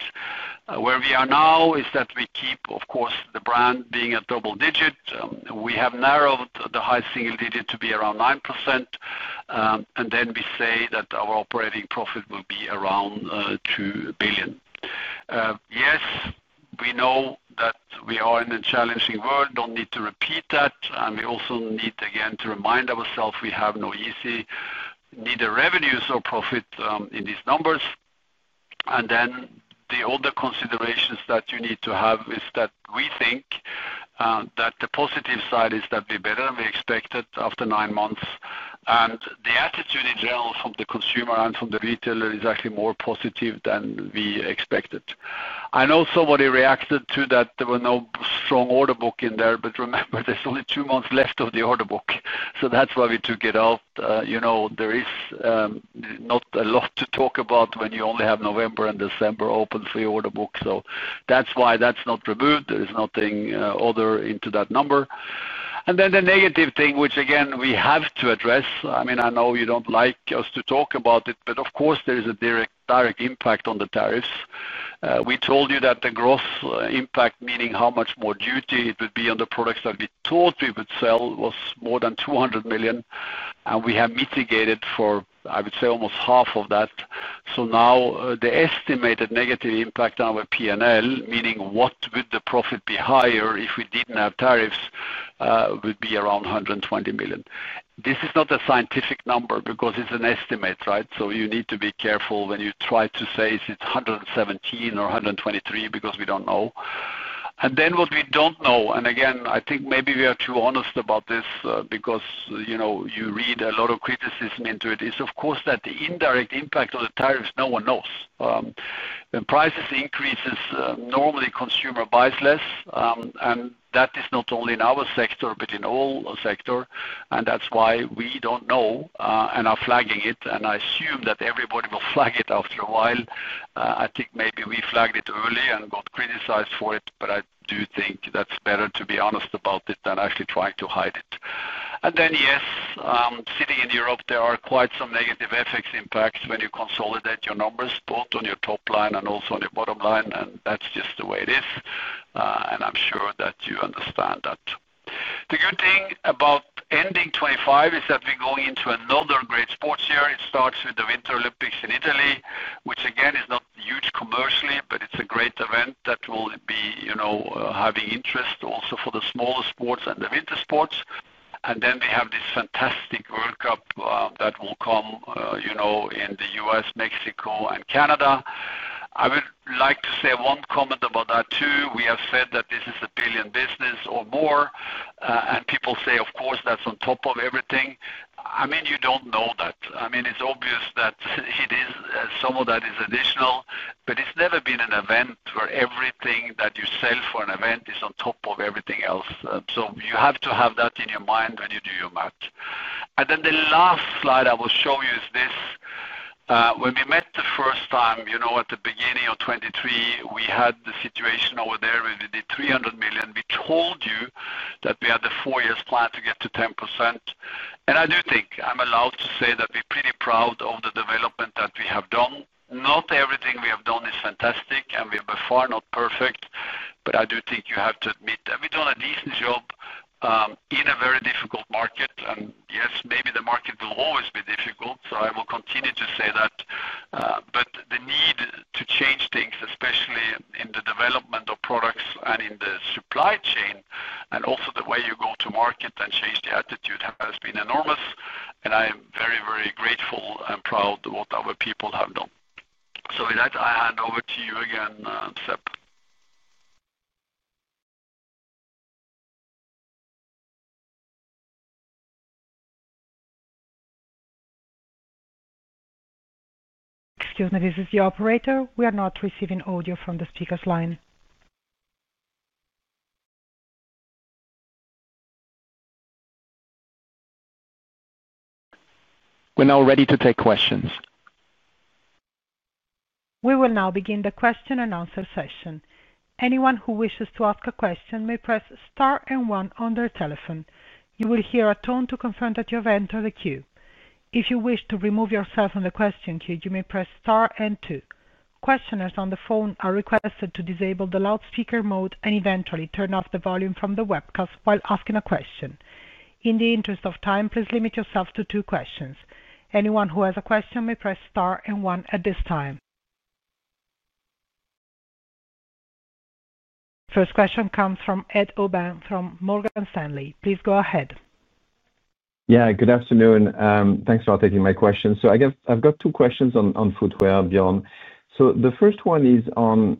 [SPEAKER 3] Where we are now is that we keep, of course, the brand being a double digit. We have narrowed the high single digit to be around 9%, and then we say that our operating profit will be around 2 billion. Yes, we know that we are in a challenging world. Don't need to repeat that. We also need, again, to remind ourselves we have no Yeezy, neither revenues or profit, in these numbers. The other considerations that you need to have is that we think the positive side is that we're better than we expected after nine months. The attitude in general from the consumer and from the retailer is actually more positive than we expected. I know somebody reacted to that there were no strong order book in there, but remember, there's only two months left of the order book. That's why we took it out. You know, there is not a lot to talk about when you only have November and December open for your order book. That's why that's not removed. There is nothing other into that number. Then the negative thing, which again, we have to address. I mean, I know you don't like us to talk about it, but of course, there is a direct direct impact on the tariffs. We told you that the gross impact, meaning how much more duty it would be on the products that we thought we would sell, was more than 200 million. We have mitigated for, I would say, almost half of that. Now, the estimated negative impact on our P&L, meaning what would the profit be higher if we didn't have tariffs, would be around 120 million. This is not a scientific number because it's an estimate, right? You need to be careful when you try to say it's 117 million or 123 million because we don't know. What we don't know, and again, I think maybe we are too honest about this, because, you know, you read a lot of criticism into it, is, of course, that the indirect impact of the tariffs, no one knows. When prices increase, normally consumer buys less, and that is not only in our sector, but in all sectors. That's why we don't know, and are flagging it. I assume that everybody will flag it after a while. I think maybe we flagged it early and got criticized for it, but I do think that's better to be honest about it than actually trying to hide it. Yes, sitting in Europe, there are quite some negative FX impacts when you consolidate your numbers both on your top line and also on your bottom line. That's just the way it is, and I'm sure that you understand that. The good thing about ending 2025 is that we're going into another great sports year. It starts with the Winter Olympics in Italy, which again is not huge commercially, but it's a great event that will be, you know, having interest also for the smaller sports and the winter sports. Then we have this fantastic World Cup that will come, you know, in the U.S., Mexico, and Canada. I would like to say one comment about that too. We have said that this is a billion business or more, and people say, of course, that's on top of everything. I mean, you don't know that. I mean, it's obvious that some of that is additional, but it's never been an event where everything that you sell for an event is on top of everything else. You have to have that in your mind when you do your math. The last slide I will show you is this. When we met the first time, you know, at the beginning of 2023, we had the situation over there where we did 300 million. We told you that we had the four years plan to get to 10%. I do think I'm allowed to say that we're pretty proud of the development that we have done. Not everything we have done is fantastic, and we are by far not perfect, but I do think you have to admit that we've done a decent job in a very difficult market. Maybe the market will always be difficult. I will continue to say that. The need to change things, especially in the development of products and in the supply chain, and also the way you go to market and change the attitude, has been enormous. I am very, very grateful and proud of what our people have done. With that, I hand over to you again, Seb.
[SPEAKER 1] Excuse me, this is the operator. We are not receiving audio from the speaker's line.
[SPEAKER 2] We're now ready to take questions.
[SPEAKER 1] We will now begin the question-and-answer session. Anyone who wishes to ask a question may press star and one on their telephone. You will hear a tone to confirm that you have entered the queue. If you wish to remove yourself from the question queue, you may press star and two. Questioners on the phone are requested to disable the loudspeaker mode and eventually turn off the volume from the webcast while asking a question. In the interest of time, please limit yourself to two questions. Anyone who has a question may press star and one at this time. First question comes from Ed Aubin from Morgan Stanley. Please go ahead.
[SPEAKER 5] Yeah. Good afternoon. Thanks for taking my question. I guess I've got two questions on footwear, Bjørn. The first one is on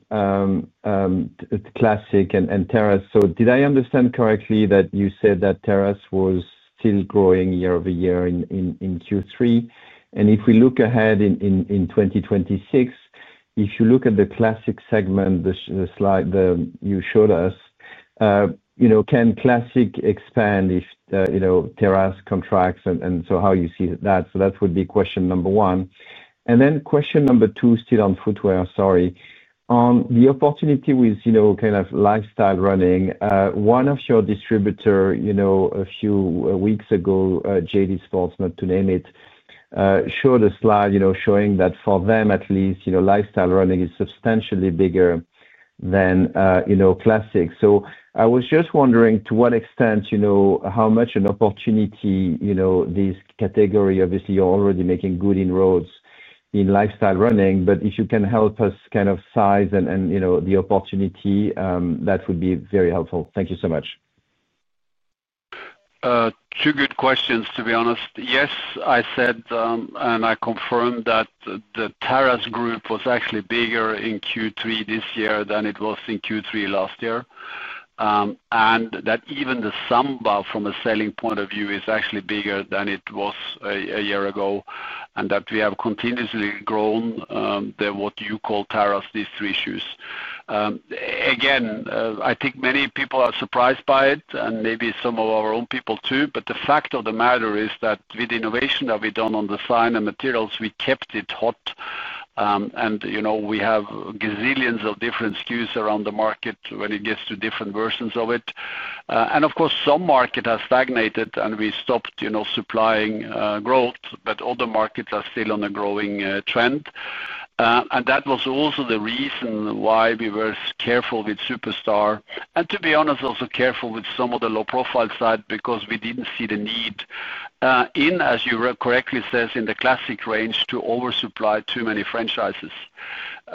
[SPEAKER 5] the classic and terrace. Did I understand correctly that you said that terrace was still growing year over year in Q3? If we look ahead in 2026, if you look at the classic segment, the slide you showed us, you know, can classic expand if terrace contracts? How do you see that? That would be question number one. Question number two, still on footwear, on the opportunity with, you know, kind of lifestyle running. One of your distributors, a few weeks ago, JD Sports, not to name it, showed a slide showing that for them at least, lifestyle running is substantially bigger than classic. I was just wondering to what extent, you know, how much an opportunity this category is. Obviously, you're already making good inroads in lifestyle running. If you can help us kind of size the opportunity, that would be very helpful. Thank you so much.
[SPEAKER 3] Two good questions, to be honest. Yes, I said, and I confirmed that the terrace group was actually bigger in Q3 this year than it was in Q3 last year. That even the Samba from a selling point of view is actually bigger than it was a year ago. We have continuously grown what you call terrace, these three shoes. I think many people are surprised by it, and maybe some of our own people too. The fact of the matter is that with innovation that we've done on design and materials, we kept it hot. We have gazillions of different SKUs around the market when it gets to different versions of it. Of course, some markets have stagnated and we stopped supplying growth, but other markets are still on a growing trend. That was also the reason why we were careful with Superstar. To be honest, also careful with some of the low-profile side because we didn't see the need, as you correctly say, in the classic range to oversupply too many franchises.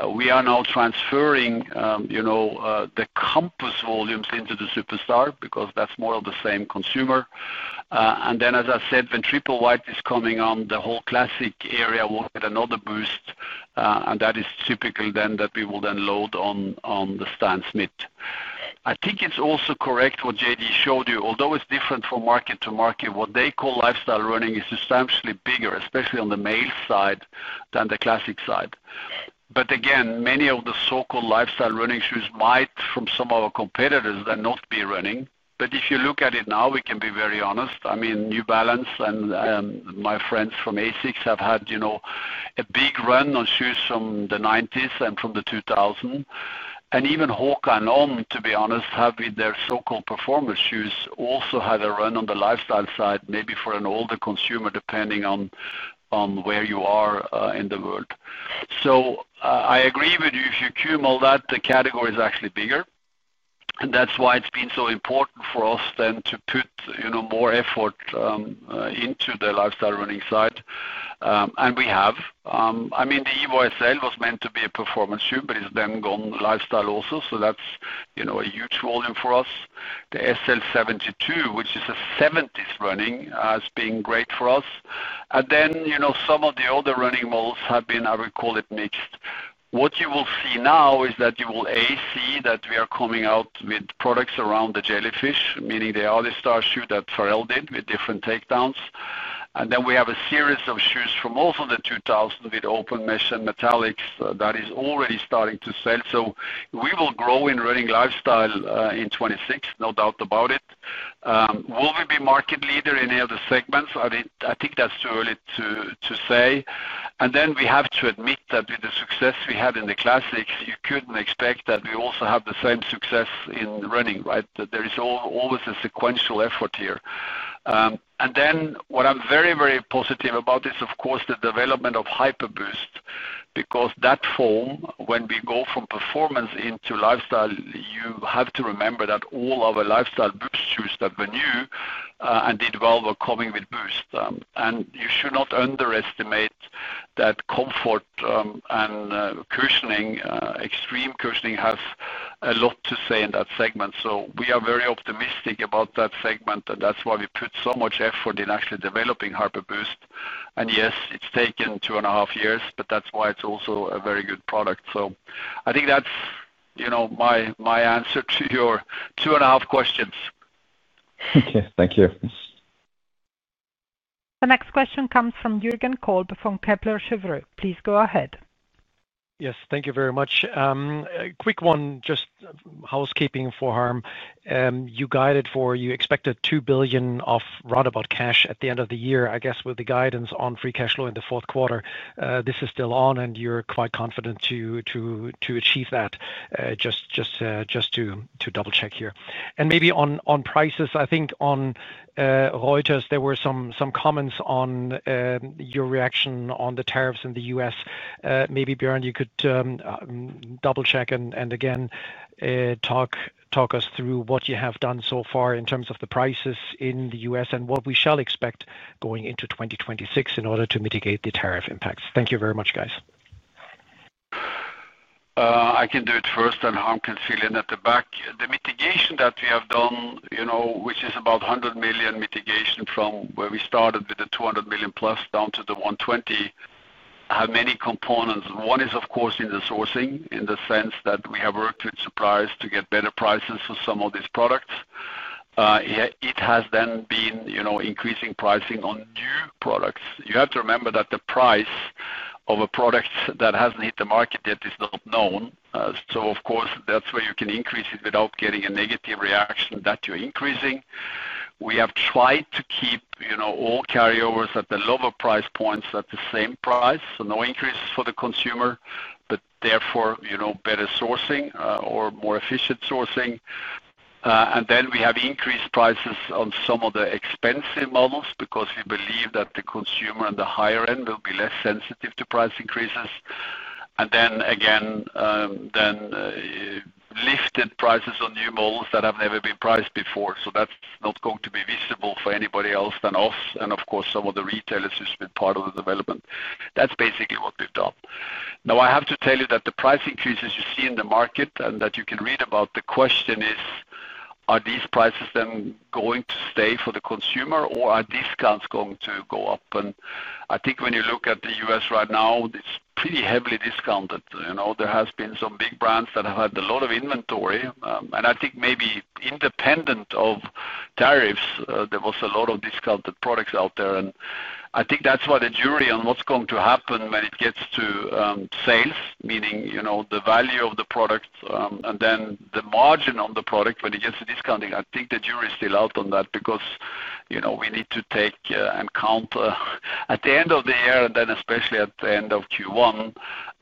[SPEAKER 3] We are now transferring the Compass volumes into the Superstar because that's more of the same consumer. As I said, when Triple White is coming on, the whole classic area will get another Boost. That is typical then that we will then load on the Stan Smith. I think it's also correct what JD showed you. Although it's different from market to market, what they call lifestyle running is substantially bigger, especially on the male side, than the classic side. Again, many of the so-called lifestyle running shoes might, from some of our competitors, then not be running. If you look at it now, we can be very honest. I mean, New Balance and my friends from ASICS have had a big run on shoes from the 1990s and from the 2000s. Even Hoka and On, to be honest, have with their so-called performance shoes also had a run on the lifestyle side, maybe for an older consumer, depending on where you are in the world. I agree with you. If you cum all that, the category is actually bigger. That's why it's been so important for us to put more effort into the lifestyle running side, and we have. I mean, the EVO SL was meant to be a performance shoe, but it's then gone lifestyle also. That's a huge volume for us. The SL 72, which is a '70s running, has been great for us. Some of the other running models have been, I would call it, mixed. What you will see now is that you will, A, see that we are coming out with products around the Jellyfish, meaning the Aristar shoe that Pharrell did with different takedowns. We have a series of shoes from also the 2000s with open mesh and metallics that is already starting to sell. We will grow in lifestyle running in 2026, no doubt about it. Will we be market leader in any of the segments? I think that's too early to say. We have to admit that with the success we had in the classics, you couldn't expect that we also have the same success in running, right? There is always a sequential effort here. What I'm very, very positive about is, of course, the development Hyperboost because that form, when we go from performance into lifestyle, you have to remember that all our lifestyle Boost shoes that were new and did well were coming with Boost. You should not underestimate that comfort and cushioning, extreme cushioning, have a lot to say in that segment. We are very optimistic about that segment. That's why we put so much effort in actually Hyperboost. Yes, it's taken two and a half years, but that's why it's also a very good product. I think that's my answer to your two and a half questions.
[SPEAKER 5] Okay, thank you.
[SPEAKER 1] The next question comes from Jürgen Kolb from Kepler Cheuvreux. Please go ahead.
[SPEAKER 6] Yes. Thank you very much. A quick one, just housekeeping for Harm. You guided for you expected 2 billion of roundabout cash at the end of the year, I guess, with the guidance on free cash flow in the fourth quarter. This is still on, and you're quite confident to achieve that. Just to double-check here. Maybe on prices, I think on Reuters, there were some comments on your reaction on the tariffs in the U.S. Maybe, Bjørn, you could double-check and again, talk us through what you have done so far in terms of the prices in the U.S. and what we shall expect going into 2026 in order to mitigate the tariff impacts. Thank you very much, guys.
[SPEAKER 3] I can do it first, and Harm can fill in at the back. The mitigation that we have done, you know, which is about 100 million mitigation from where we started with the 200 million+ down to the 120 million, have many components. One is, of course, in the sourcing in the sense that we have worked with suppliers to get better prices for some of these products. It has then been, you know, increasing pricing on new products. You have to remember that the price of a product that hasn't hit the market yet is not known. Of course, that's where you can increase it without getting a negative reaction that you're increasing. We have tried to keep, you know, all carryovers at the lower price points at the same price. No increases for the consumer, but therefore, you know, better sourcing, or more efficient sourcing. We have increased prices on some of the expensive models because we believe that the consumer on the higher end will be less sensitive to price increases. Then again, lifted prices on new models that have never been priced before. That's not going to be visible for anybody else than us and, of course, some of the retailers who've been part of the development. That's basically what we've done. Now, I have to tell you that the price increases you see in the market and that you can read about, the question is, are these prices then going to stay for the consumer or are discounts going to go up? I think when you look at the U.S. right now, it's pretty heavily discounted. You know, there have been some big brands that have had a lot of inventory. I think maybe independent of tariffs, there was a lot of discounted products out there. I think that's why the jury on what's going to happen when it gets to sales, meaning, you know, the value of the product, and then the margin on the product when it gets to discounting. I think the jury is still out on that because, you know, we need to take and count at the end of the year and then especially at the end of Q1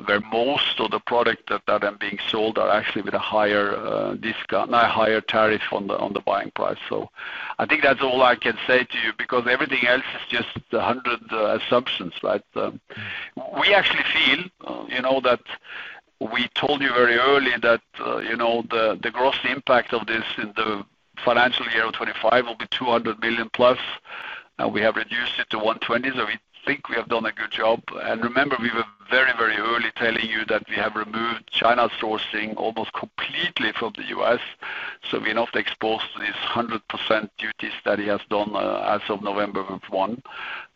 [SPEAKER 3] where most of the products that are being sold are actually with a higher discount, not a higher tariff on the buying price. I think that's all I can say to you because everything else is just 100 assumptions, right? We actually feel, you know, that we told you very early that, you know, the gross impact of this in the financial year of 2025 will be 200 million+. We have reduced it to 120 million. We think we have done a good job. Remember, we were very, very early telling you that we have removed China's sourcing almost completely from the U.S., so we're not exposed to this 100% duties that he has done, as of November 1.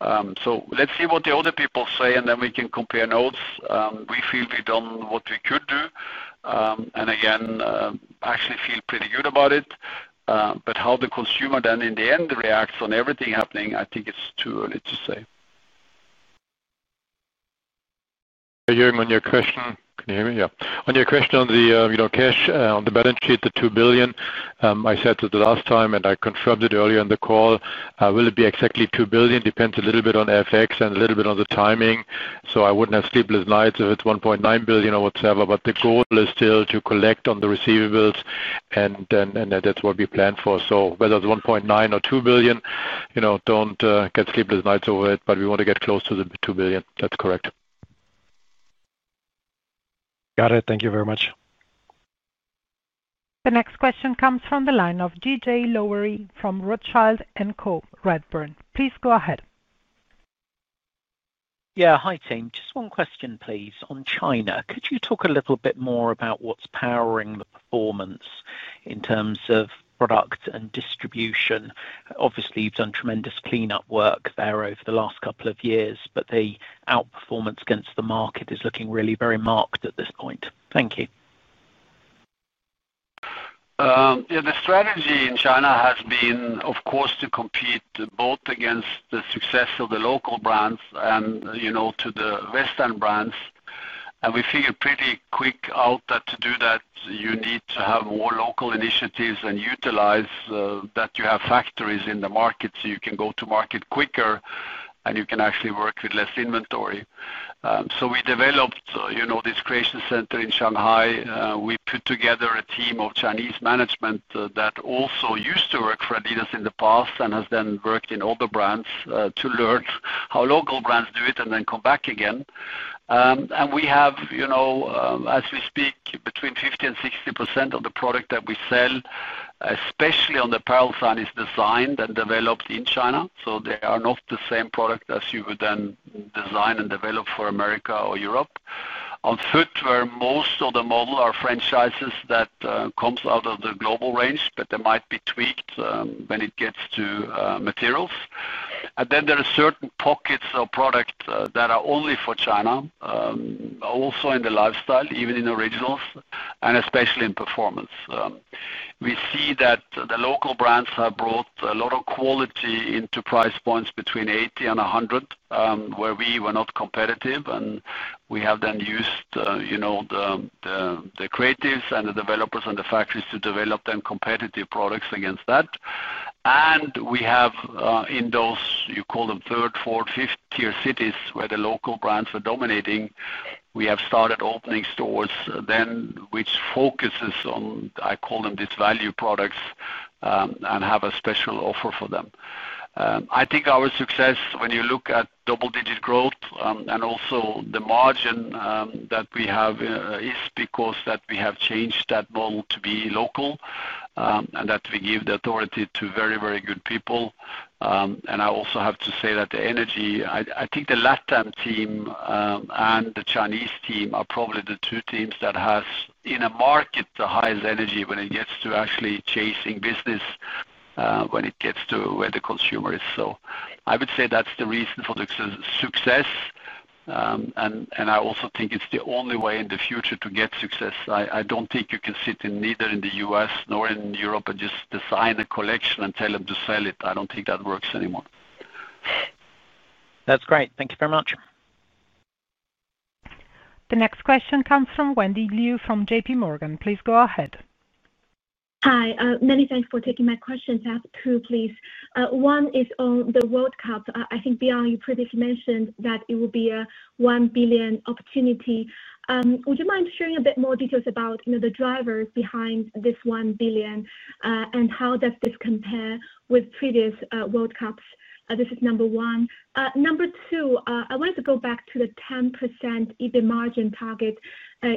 [SPEAKER 3] Let's see what the other people say, and then we can compare notes. We feel we've done what we could do, and actually feel pretty good about it. How the consumer then in the end reacts on everything happening, I think it's too early to say.
[SPEAKER 4] Bjørn, on your question, can you hear me? Yeah. On your question on the, you know, cash, on the balance sheet, the 2 billion, I said it the last time, and I confirmed it earlier in the call. Will it be exactly 2 billion? Depends a little bit on FX and a little bit on the timing. I wouldn't have sleepless nights if it's 1.9 billion or whatever. The goal is still to collect on the receivables, and that's what we plan for. Whether it's 1.9 billion or 2 billion, don't get sleepless nights over it, but we want to get close to the 2 billion. That's correct.
[SPEAKER 6] Got it. Thank you very much.
[SPEAKER 1] The next question comes from the line of [DJ Lowery] from Rothschild & Co Redburn. Please go ahead. Yeah, hi team. Just one question, please, on Greater China. Could you talk a little bit more about what's powering the performance in terms of product and distribution? Obviously, you've done tremendous cleanup work there over the last couple of years, but the outperformance against the market is looking really very marked at this point. Thank you.
[SPEAKER 3] Yeah, the strategy in Greater China has been, of course, to compete both against the success of the local brands and, you know, to the western brands. We figured pretty quick out that to do that, you need to have more local initiatives and utilize that you have factories in the market so you can go to market quicker and you can actually work with less inventory. We developed, you know, this creation center in Shanghai. We put together a team of Chinese management that also used to work for adidas in the past and has then worked in other brands to learn how local brands do it and then come back again. We have, you know, as we speak, between 50% and 60% of the product that we sell, especially on the apparel side, is designed and developed in Greater China. They are not the same product as you would then design and develop for America or Europe. On footwear, most of the models are franchises that come out of the global range, but they might be tweaked when it gets to materials. There are certain pockets of product that are only for Greater China, also in the lifestyle, even in Originals, and especially in performance. We see that the local brands have brought a lot of quality into price points between 80 and 100, where we were not competitive. We have then used, you know, the creatives and the developers and the factories to develop them competitive products against that. We have in those, you call them third, fourth, fifth-tier cities where the local brands were dominating, we have started opening stores then which focuses on, I call them, these value products and have a special offer for them. I think our success, when you look at double-digit growth and also the margin that we have, is because that we have changed that model to be local and that we give the authority to very, very good people. I also have to say that the energy, I think the Latin America team and the Chinese team are probably the two teams that have in a market the highest energy when it gets to actually chasing business when it gets to where the consumer is. I would say that's the reason for the success. I also think it's the only way in the future to get success. I don't think you can sit in neither in the U.S. nor in Europe and just design a collection and tell them to sell it. I don't think that works anymore. That's great. Thank you very much.
[SPEAKER 1] The next question comes from Wendy Liu from JPMorgan. Please go ahead.
[SPEAKER 7] Hi. Many thanks for taking my questions. I have two, please. One is on the World Cup. I think, Bjørn, you previously mentioned that it will be a 1 billion opportunity. Would you mind sharing a bit more details about the drivers behind this 1 billion and how does this compare with previous World Cups? This is number one. Number two, I wanted to go back to the 10% EBIT margin target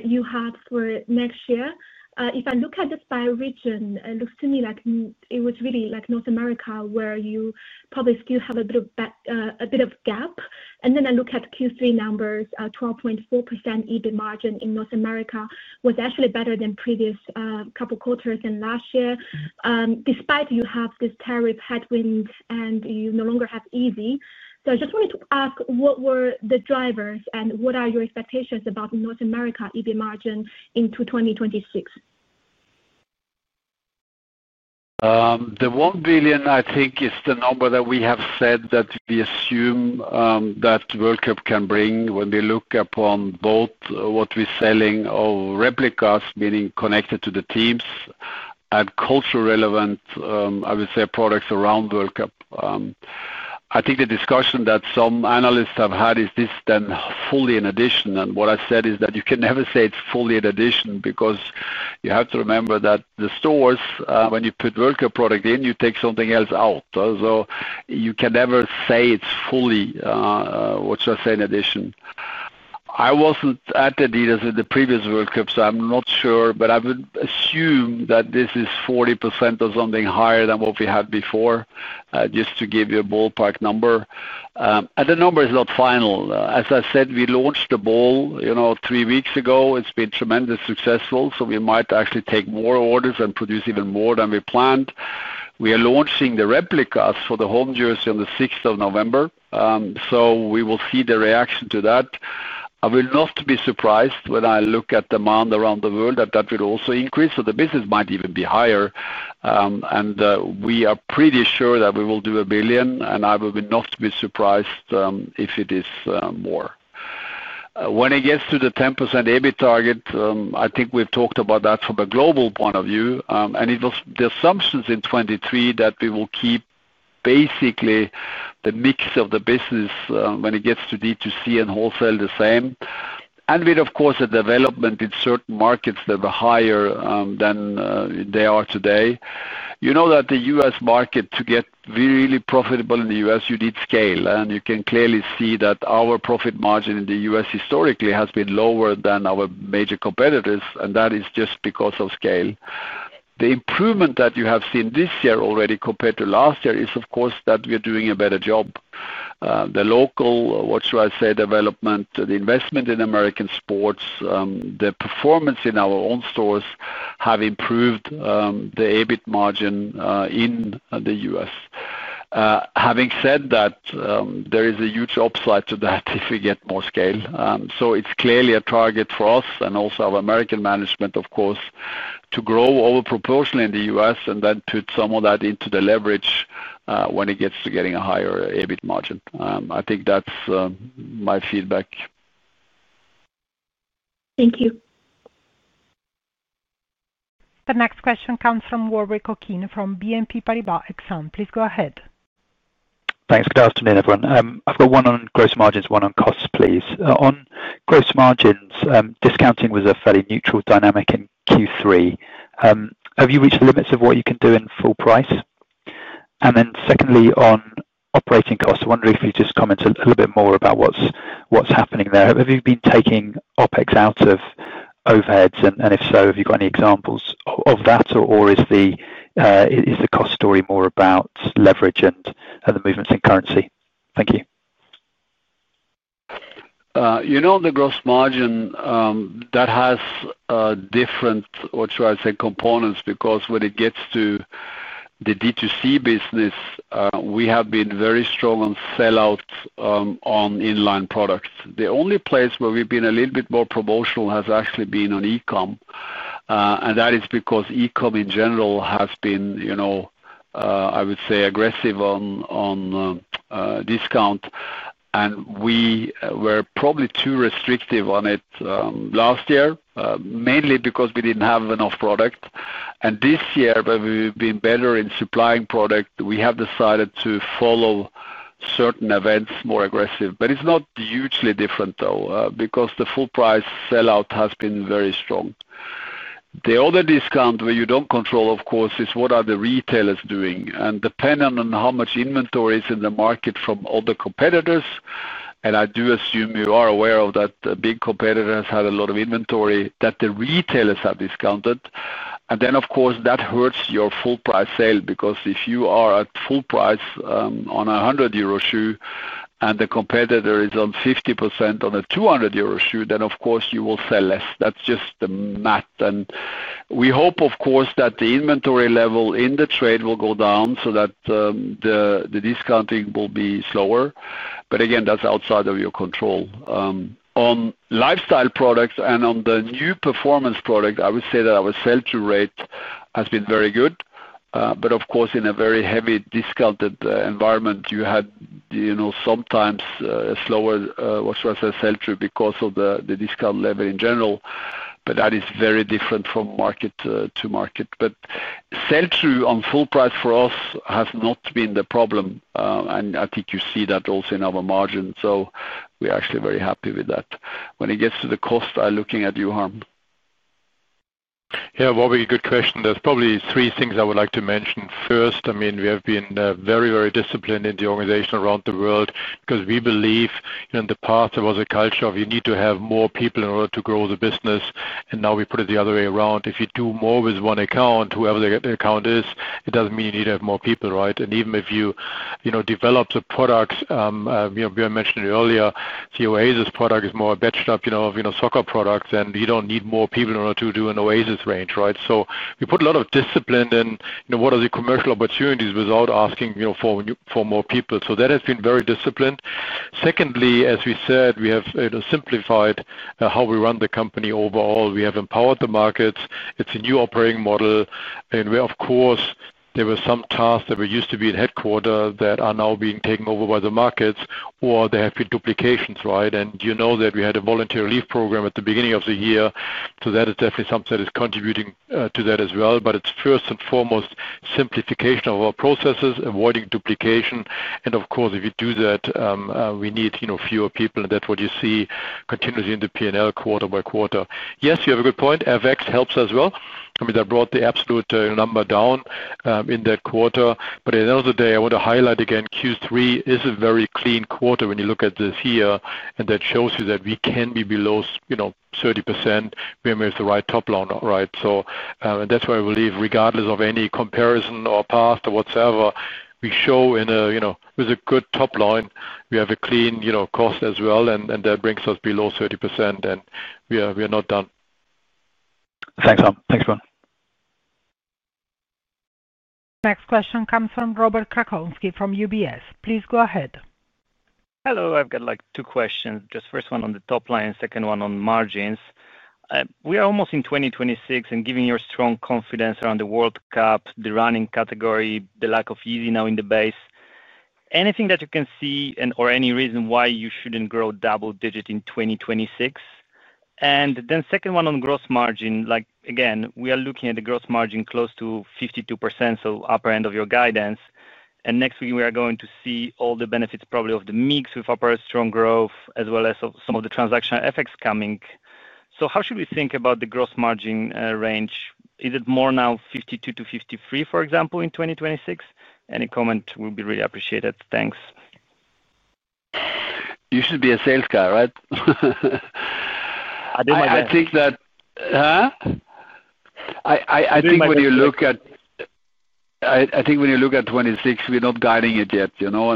[SPEAKER 7] you have for next year. If I look at this by region, it looks to me like it was really like North America where you probably still have a bit of gap. If I look at Q3 numbers, 12.4% EBIT margin in North America was actually better than previous couple of quarters in last year, despite you have this tariff headwind and you no longer have Yeezy. I just wanted to ask, what were the drivers and what are your expectations about North America EBIT margin in 2026?
[SPEAKER 3] The 1 billion, I think, is the number that we have said that we assume that the World Cup can bring when we look upon both what we're selling of replicas, meaning connected to the teams, and culturally relevant, I would say, products around the World Cup. I think the discussion that some analysts have had is this then fully in addition. What I said is that you can never say it's fully in addition because you have to remember that the stores, when you put World Cup product in, you take something else out. You can never say it's fully, what should I say, in addition. I wasn't at adidas at the previous World Cup, so I'm not sure, but I would assume that this is 40% or something higher than what we had before, just to give you a ballpark number. The number is not final. As I said, we launched the ball, you know, three weeks ago. It's been tremendously successful. We might actually take more orders and produce even more than we planned. We are launching the replicas for the home jersey on the 6th of November. We will see the reaction to that. I will not be surprised when I look at demand around the world that that will also increase. The business might even be higher. We are pretty sure that we will do a billion. I would not be surprised if it is more. When it gets to the 10% EBIT target, I think we've talked about that from a global point of view. It was the assumptions in 2023 that we will keep basically the mix of the business when it gets to direct-to-consumer and wholesale the same. With, of course, a development in certain markets that were higher than they are today, you know that the U.S. market, to get really profitable in the U.S., you need scale. You can clearly see that our profit margin in the U.S. historically has been lower than our major competitors. That is just because of scale. The improvement that you have seen this year already compared to last year is, of course, that we are doing a better job. The local, what should I say, development, the investment in American sports, the performance in our own stores have improved the EBIT margin in the U.S. Having said that, there is a huge upside to that if we get more scale. It is clearly a target for us and also our American management, of course, to grow over proportionally in the U.S. and then put some of that into the leverage when it gets to getting a higher EBIT margin. I think that's my feedback.
[SPEAKER 7] Thank you.
[SPEAKER 1] The next question comes from Warwick Okines from BNP Paribas Exane. Please go ahead.
[SPEAKER 8] Thanks. Good afternoon, everyone. I've got one on gross margins, one on costs, please. On gross margins, discounting was a fairly neutral dynamic in Q3. Have you reached the limits of what you can do in full price? Secondly, on operating costs, I wonder if you could just comment a little bit more about what's happening there. Have you been taking OpEx out of overheads? If so, have you got any examples of that, or is the cost story more about leverage and the movements in currency? Thank you.
[SPEAKER 3] You know, the gross margin has different, what should I say, components because when it gets to the direct-to-consumer business, we have been very strong on sell-out on inline products. The only place where we've been a little bit more proportional has actually been on e-comm. That is because e-comm in general has been, you know, I would say, aggressive on discount. We were probably too restrictive on it last year, mainly because we didn't have enough product. This year, where we've been better in supplying product, we have decided to follow certain events more aggressive. It's not hugely different, though, because the full-price sell-out has been very strong. The other discount where you don't control, of course, is what are the retailers doing? Depending on how much inventory is in the market from other competitors, and I do assume you are aware that a big competitor has had a lot of inventory that the retailers have discounted. Of course, that hurts your full-price sale because if you are at full price on a 100 euro shoe and the competitor is on 50% on a 200 euro shoe, then, of course, you will sell less. That's just the math. We hope, of course, that the inventory level in the trade will go down so that the discounting will be slower. Again, that's outside of your control. On lifestyle products and on the new performance product, I would say that our sell-through rate has been very good. Of course, in a very heavy discounted environment, you had, you know, sometimes a slower, what should I say, sell-through because of the discount level in general. That is very different from market-to-market. Sell-through on full price for us has not been the problem. I think you see that also in our margins. We're actually very happy with that. When it gets to the cost, I'm looking at you, Harm.
[SPEAKER 4] Yeah, Warwick, good question. There's probably three things I would like to mention. First, I mean, we have been very, very disciplined in the organization around the world because we believe, you know, in the past, there was a culture of you need to have more people in order to grow the business. Now we put it the other way around. If you do more with one account, whoever the account is, it doesn't mean you need to have more people, right? Even if you develop the product, you know, Bjørn mentioned it earlier, the Oasis product is more a batched up, you know, soccer product. You don't need more people in order to do an Oasis range, right? We put a lot of discipline in, you know, what are the commercial opportunities without asking, you know, for more people. That has been very disciplined. Secondly, as we said, we have, you know, simplified how we run the company overall. We have empowered the markets. It's a new operating model. Of course, there were some tasks that were used to be in headquarters that are now being taken over by the markets, or there have been duplications, right? You know that we had a volunteer leave program at the beginning of the year. That is definitely something that is contributing to that as well. It's first and foremost simplification of our processes, avoiding duplication. Of course, if we do that, we need, you know, fewer people. That's what you see continuously in the P&L quarter-by-quarter. Yes, you have a good point. Avex helps as well. That brought the absolute number down in that quarter. At the end of the day, I want to highlight again, Q3 is a very clean quarter when you look at this year. That shows you that we can be below, you know, 30% when we have the right top line, right? That's why I believe regardless of any comparison or past or whatsoever, we show in a, you know, with a good top line, we have a clean, you know, cost as well. That brings us below 30%. We are not done.
[SPEAKER 8] Thanks, Harm. Thanks, Bjørn.
[SPEAKER 1] Next question comes from Robert Krankowski from UBS. Please go ahead.
[SPEAKER 9] Hello. I've got like two questions. Just the first one on the top line and second one on margins. We are almost in 2026 and given your strong confidence around the World Cup, the running category, the lack of Yeezy now in the base, anything that you can see and/or any reason why you shouldn't grow double-digit in 2026? The second one on gross margin. Like again, we are looking at the gross margin close to 52%, so upper end of your guidance. Next week, we are going to see all the benefits probably of the mix with upper strong growth as well as some of the transactional effects coming. How should we think about the gross margin range? Is it more now 52%-53%, for example, in 2026? Any comment would be really appreciated. Thanks.
[SPEAKER 3] You should be a sales guy, right?
[SPEAKER 9] I do, my guess.
[SPEAKER 3] I think when you look at 2026, we're not guiding it yet, you know?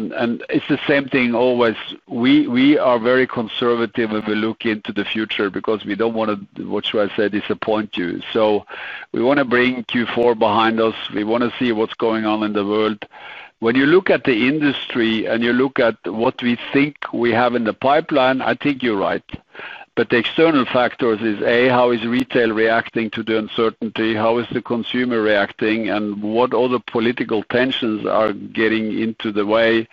[SPEAKER 3] It's the same thing always. We are very conservative when we look into the future because we don't want to, what should I say, disappoint you. We want to bring Q4 behind us. We want to see what's going on in the world. When you look at the industry and you look at what we think we have in the pipeline, I think you're right. The external factors are, A, how is retail reacting to the uncertainty? How is the consumer reacting? What other political tensions are getting in the way?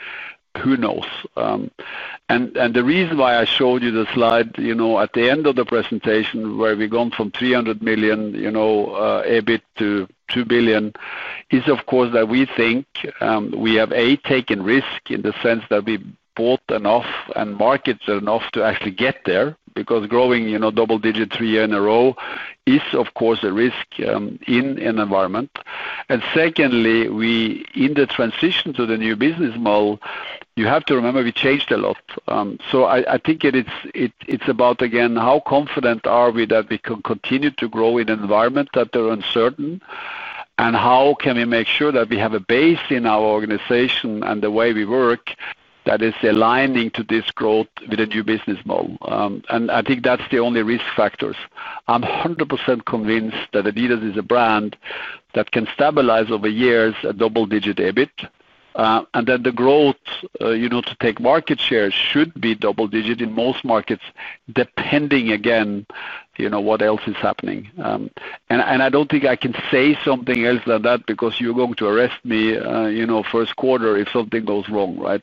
[SPEAKER 3] Who knows? The reason why I showed you the slide at the end of the presentation where we've gone from 300 million EBIT to 2 billion is, of course, that we think we have, A, taken risk in the sense that we bought enough and marketed enough to actually get there because growing double-digit three years in a row is, of course, a risk in an environment. In the transition to the new business model, you have to remember we changed a lot. I think it's about, again, how confident are we that we can continue to grow in an environment that is uncertain? How can we make sure that we have a base in our organization and the way we work that is aligning to this growth with the new business model? I think that's the only risk factors. I'm 100% convinced that adidas is a brand that can stabilize over years at double-digit EBIT. The growth to take market share should be double-digit in most markets, depending, again, on what else is happening. I don't think I can say something else than that because you're going to arrest me, you know, first quarter if something goes wrong, right?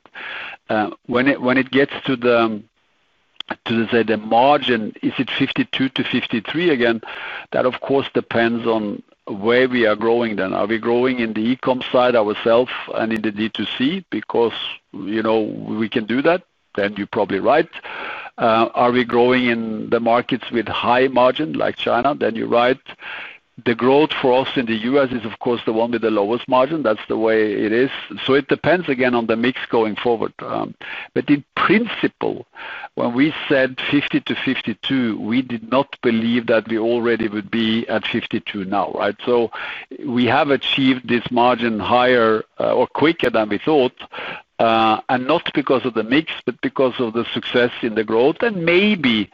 [SPEAKER 3] When it gets to the margin, is it 52%-53% again? That, of course, depends on where we are growing then. Are we growing in the e-comm side ourselves and in the direct-to-consumer because, you know, we can do that? Then you're probably right. Are we growing in the markets with high margin like Greater China? Then you're right. The growth for us in the U.S. is, of course, the one with the lowest margin. That's the way it is. It depends, again, on the mix going forward. In principle, when we said 50%-52%, we did not believe that we already would be at 52% now, right? We have achieved this margin higher or quicker than we thought, not because of the mix, but because of the success in the growth and maybe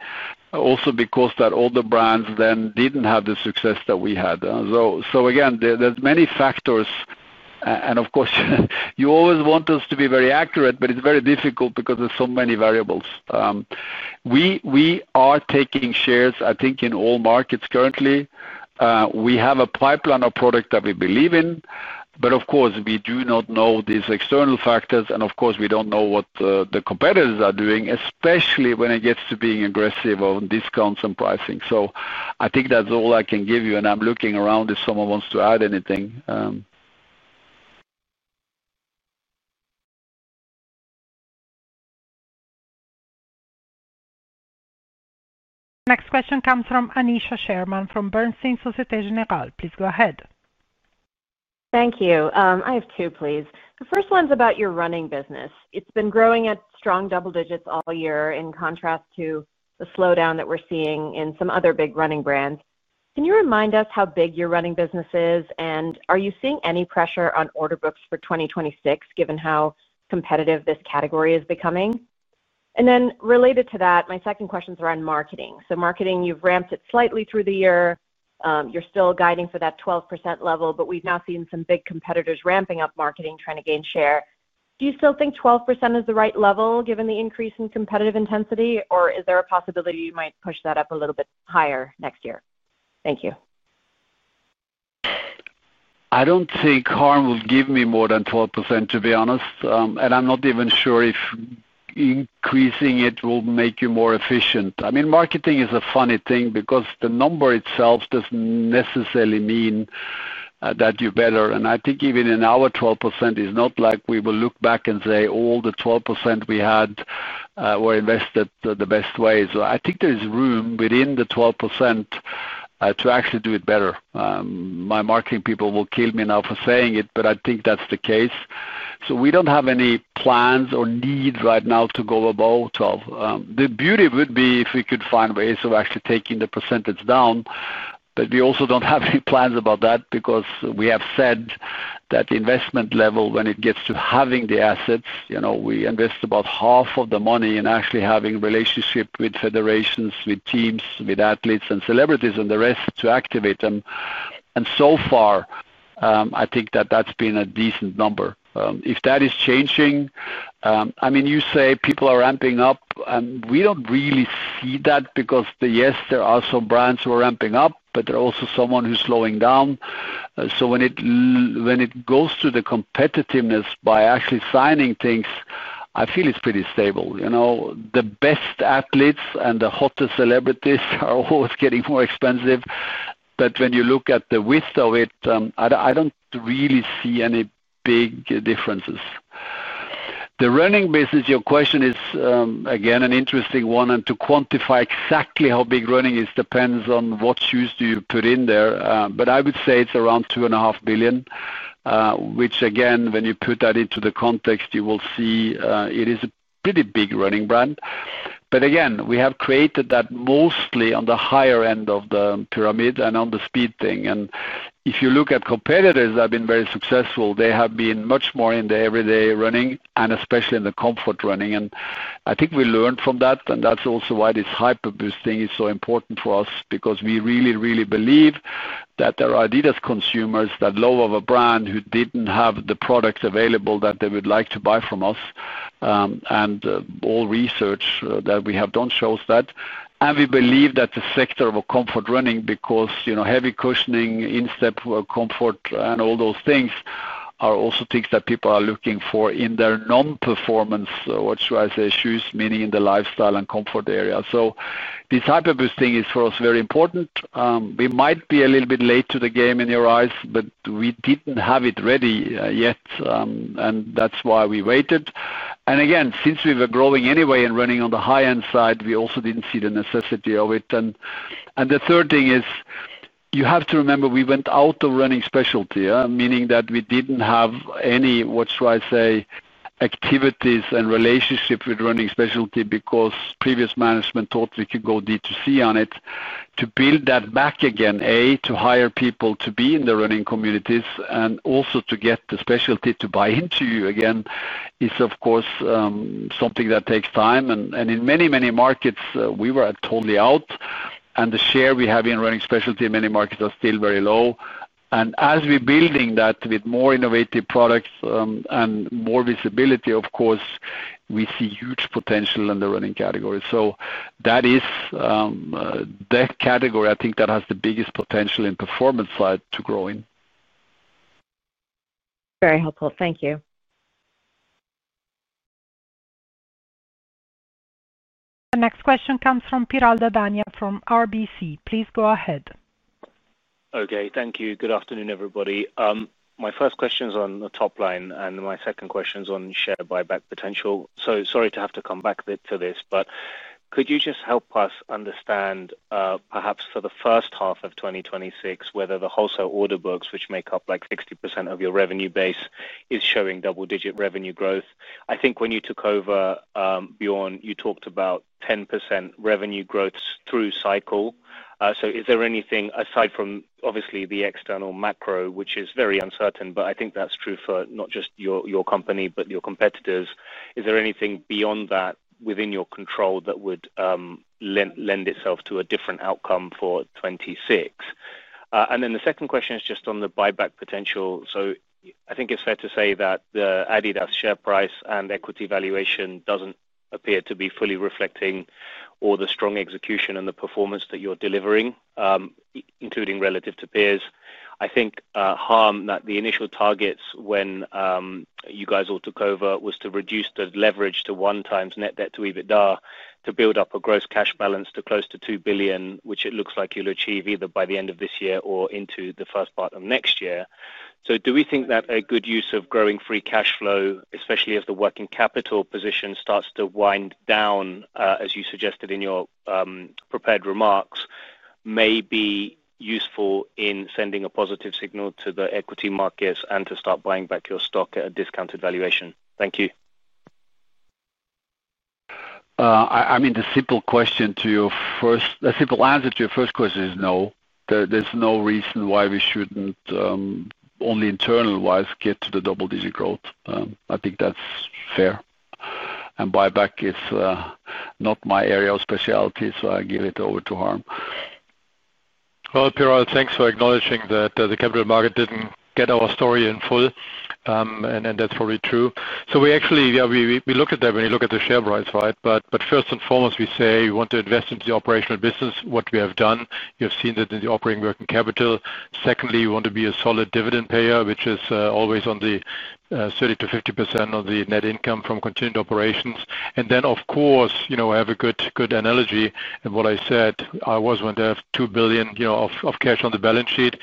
[SPEAKER 3] also because that all the brands then didn't have the success that we had. There are many factors. Of course, you always want us to be very accurate, but it's very difficult because there are so many variables. We are taking shares, I think, in all markets currently. We have a pipeline of products that we believe in. Of course, we do not know these external factors. We don't know what the competitors are doing, especially when it gets to being aggressive on discounts and pricing. I think that's all I can give you. I'm looking around if someone wants to add anything.
[SPEAKER 1] Next question comes from Aneesha Sherman from Bernstein. Please go ahead.
[SPEAKER 10] Thank you. I have two, please. The first one's about your running business. It's been growing at strong double digits all year in contrast to the slowdown that we're seeing in some other big running brands. Can you remind us how big your running business is? Are you seeing any pressure on order books for 2026 given how competitive this category is becoming? Related to that, my second question is around marketing. Marketing, you've ramped it slightly through the year. You're still guiding for that 12% level, but we've now seen some big competitors ramping up marketing, trying to gain share. Do you still think 12% is the right level given the increase in competitive intensity, or is there a possibility you might push that up a little bit higher next year? Thank you.
[SPEAKER 3] I don't think Harm will give me more than 12%, to be honest. I'm not even sure if increasing it will make you more efficient. I mean, marketing is a funny thing because the number itself doesn't necessarily mean that you're better. I think even in our 12%, it's not like we will look back and say all the 12% we had were invested the best way. I think there is room within the 12% to actually do it better. My marketing people will kill me now for saying it, but I think that's the case. We don't have any plans or need right now to go above 12%. The beauty would be if we could find ways of actually taking the percentage down. We also don't have any plans about that because we have said that the investment level, when it gets to having the assets, you know, we invest about half of the money in actually having a relationship with federations, with teams, with athletes, and celebrities, and the rest to activate them. So far, I think that that's been a decent number. If that is changing, I mean, you say people are ramping up, and we don't really see that because yes, there are some brands who are ramping up, but there's also someone who's slowing down. When it goes to the competitiveness by actually signing things, I feel it's pretty stable. You know, the best athletes and the hottest celebrities are always getting more expensive. When you look at the width of it, I don't really see any big differences. The running business, your question is, again, an interesting one. To quantify exactly how big running is depends on what shoes you put in there. I would say it's around 2.5 billion, which, again, when you put that into the context, you will see it is a pretty big running brand. We have created that mostly on the higher end of the pyramid and on the speed thing. If you look at competitors that have been very successful, they have been much more in the everyday running and especially in the comfort running. I think we learned from that. That's also why Hyperboost thing is so important for us because we really, really believe that there are adidas consumers that love our brand who didn't have the products available that they would like to buy from us. All research that we have done shows that. We believe that the sector of comfort running, because heavy cushioning, instep comfort, and all those things are also things that people are looking for in their non-performance, what should I say, shoes, meaning in the lifestyle and comfort area. Hyperboost thing is for us very important. We might be a little bit late to the game in your eyes, but we didn't have it ready yet. That's why we waited. Again, since we were growing anyway and running on the high-end side, we also didn't see the necessity of it. The third thing is you have to remember we went out of running specialty, meaning that we didn't have any, what should I say, activities and relationships with running specialty because previous management thought we could go direct-to-consumer on it. To build that back again, to hire people to be in the running communities and also to get the specialty to buy into you again is, of course, something that takes time. In many, many markets, we were totally out. The share we have in running specialty in many markets is still very low. As we're building that with more innovative products and more visibility, of course, we see huge potential in the running category. That is the category I think that has the biggest potential in the performance side to grow in.
[SPEAKER 10] Very helpful. Thank you.
[SPEAKER 1] The next question comes from Piral Dadhania from RBC. Please go ahead.
[SPEAKER 11] Okay. Thank you. Good afternoon, everybody. My first question is on the top line. My second question is on share buyback potential. Could you just help us understand, perhaps for the first half of 2026, whether the wholesale order books, which make up like 60% of your revenue base, are showing double-digit revenue growth? I think when you took over, Bjørn, you talked about 10% revenue growth through cycle. Is there anything aside from, obviously, the external macro, which is very uncertain, but I think that's true for not just your company, but your competitors? Is there anything beyond that within your control that would lend itself to a different outcome for 2026? The second question is just on the buyback potential. I think it's fair to say that the adidas share price and equity valuation doesn't appear to be fully reflecting all the strong execution and the performance that you're delivering, including relative to peers. I think, Harm, that the initial targets when you guys all took over was to reduce the leverage to one times net debt to EBITDA to build up a gross cash balance to close to 2 billion, which it looks like you'll achieve either by the end of this year or into the first part of next year. Do we think that a good use of growing free cash flow, especially as the working capital position starts to wind down, as you suggested in your prepared remarks, may be useful in sending a positive signal to the equity markets and to start buying back your stock at a discounted valuation? Thank you.
[SPEAKER 3] I mean, the simple answer to your first question is no. There's no reason why we shouldn't, only internal-wise, get to the double-digit growth. I think that's fair. Buyback is not my area of specialty, so I give it over to Harm.
[SPEAKER 4] Piral, thanks for acknowledging that the capital market didn't get our story in full. That's probably true. We actually look at that when you look at the share price, right? First and foremost, we say we want to invest into the operational business, which we have done. You have seen that in the operating working capital. Secondly, we want to be a solid dividend payer, which is always on the 30%-50% on the net income from continued operations. Of course, I have a good analogy in what I said. I was wondering if 2 billion of cash on the balance sheet,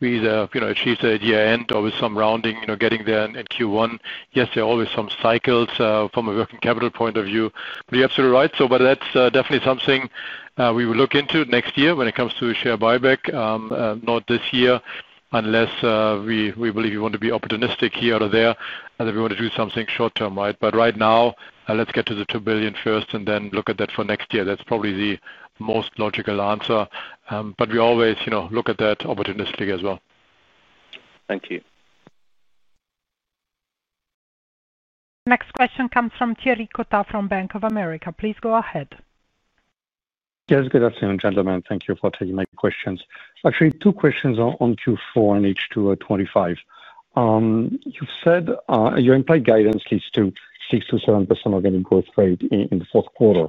[SPEAKER 4] we either achieved at year-end or with some rounding, getting there in Q1. There are always some cycles from a working capital point of view. You're absolutely right. That's definitely something we will look into next year when it comes to share buyback, not this year unless we believe we want to be opportunistic here or there and that we want to do something short-term, right? Right now, let's get to the 2 billion first and then look at that for next year. That's probably the most logical answer. We always look at that opportunistically as well.
[SPEAKER 11] Thank you.
[SPEAKER 1] Next question comes from Thierry Cota from Bank of America. Please go ahead.
[SPEAKER 12] Thank you for taking my questions. Actually, two questions on Q4 and H2 of 2025. You've said your implied guidance leads to 6%-7% organic growth rate in the fourth quarter.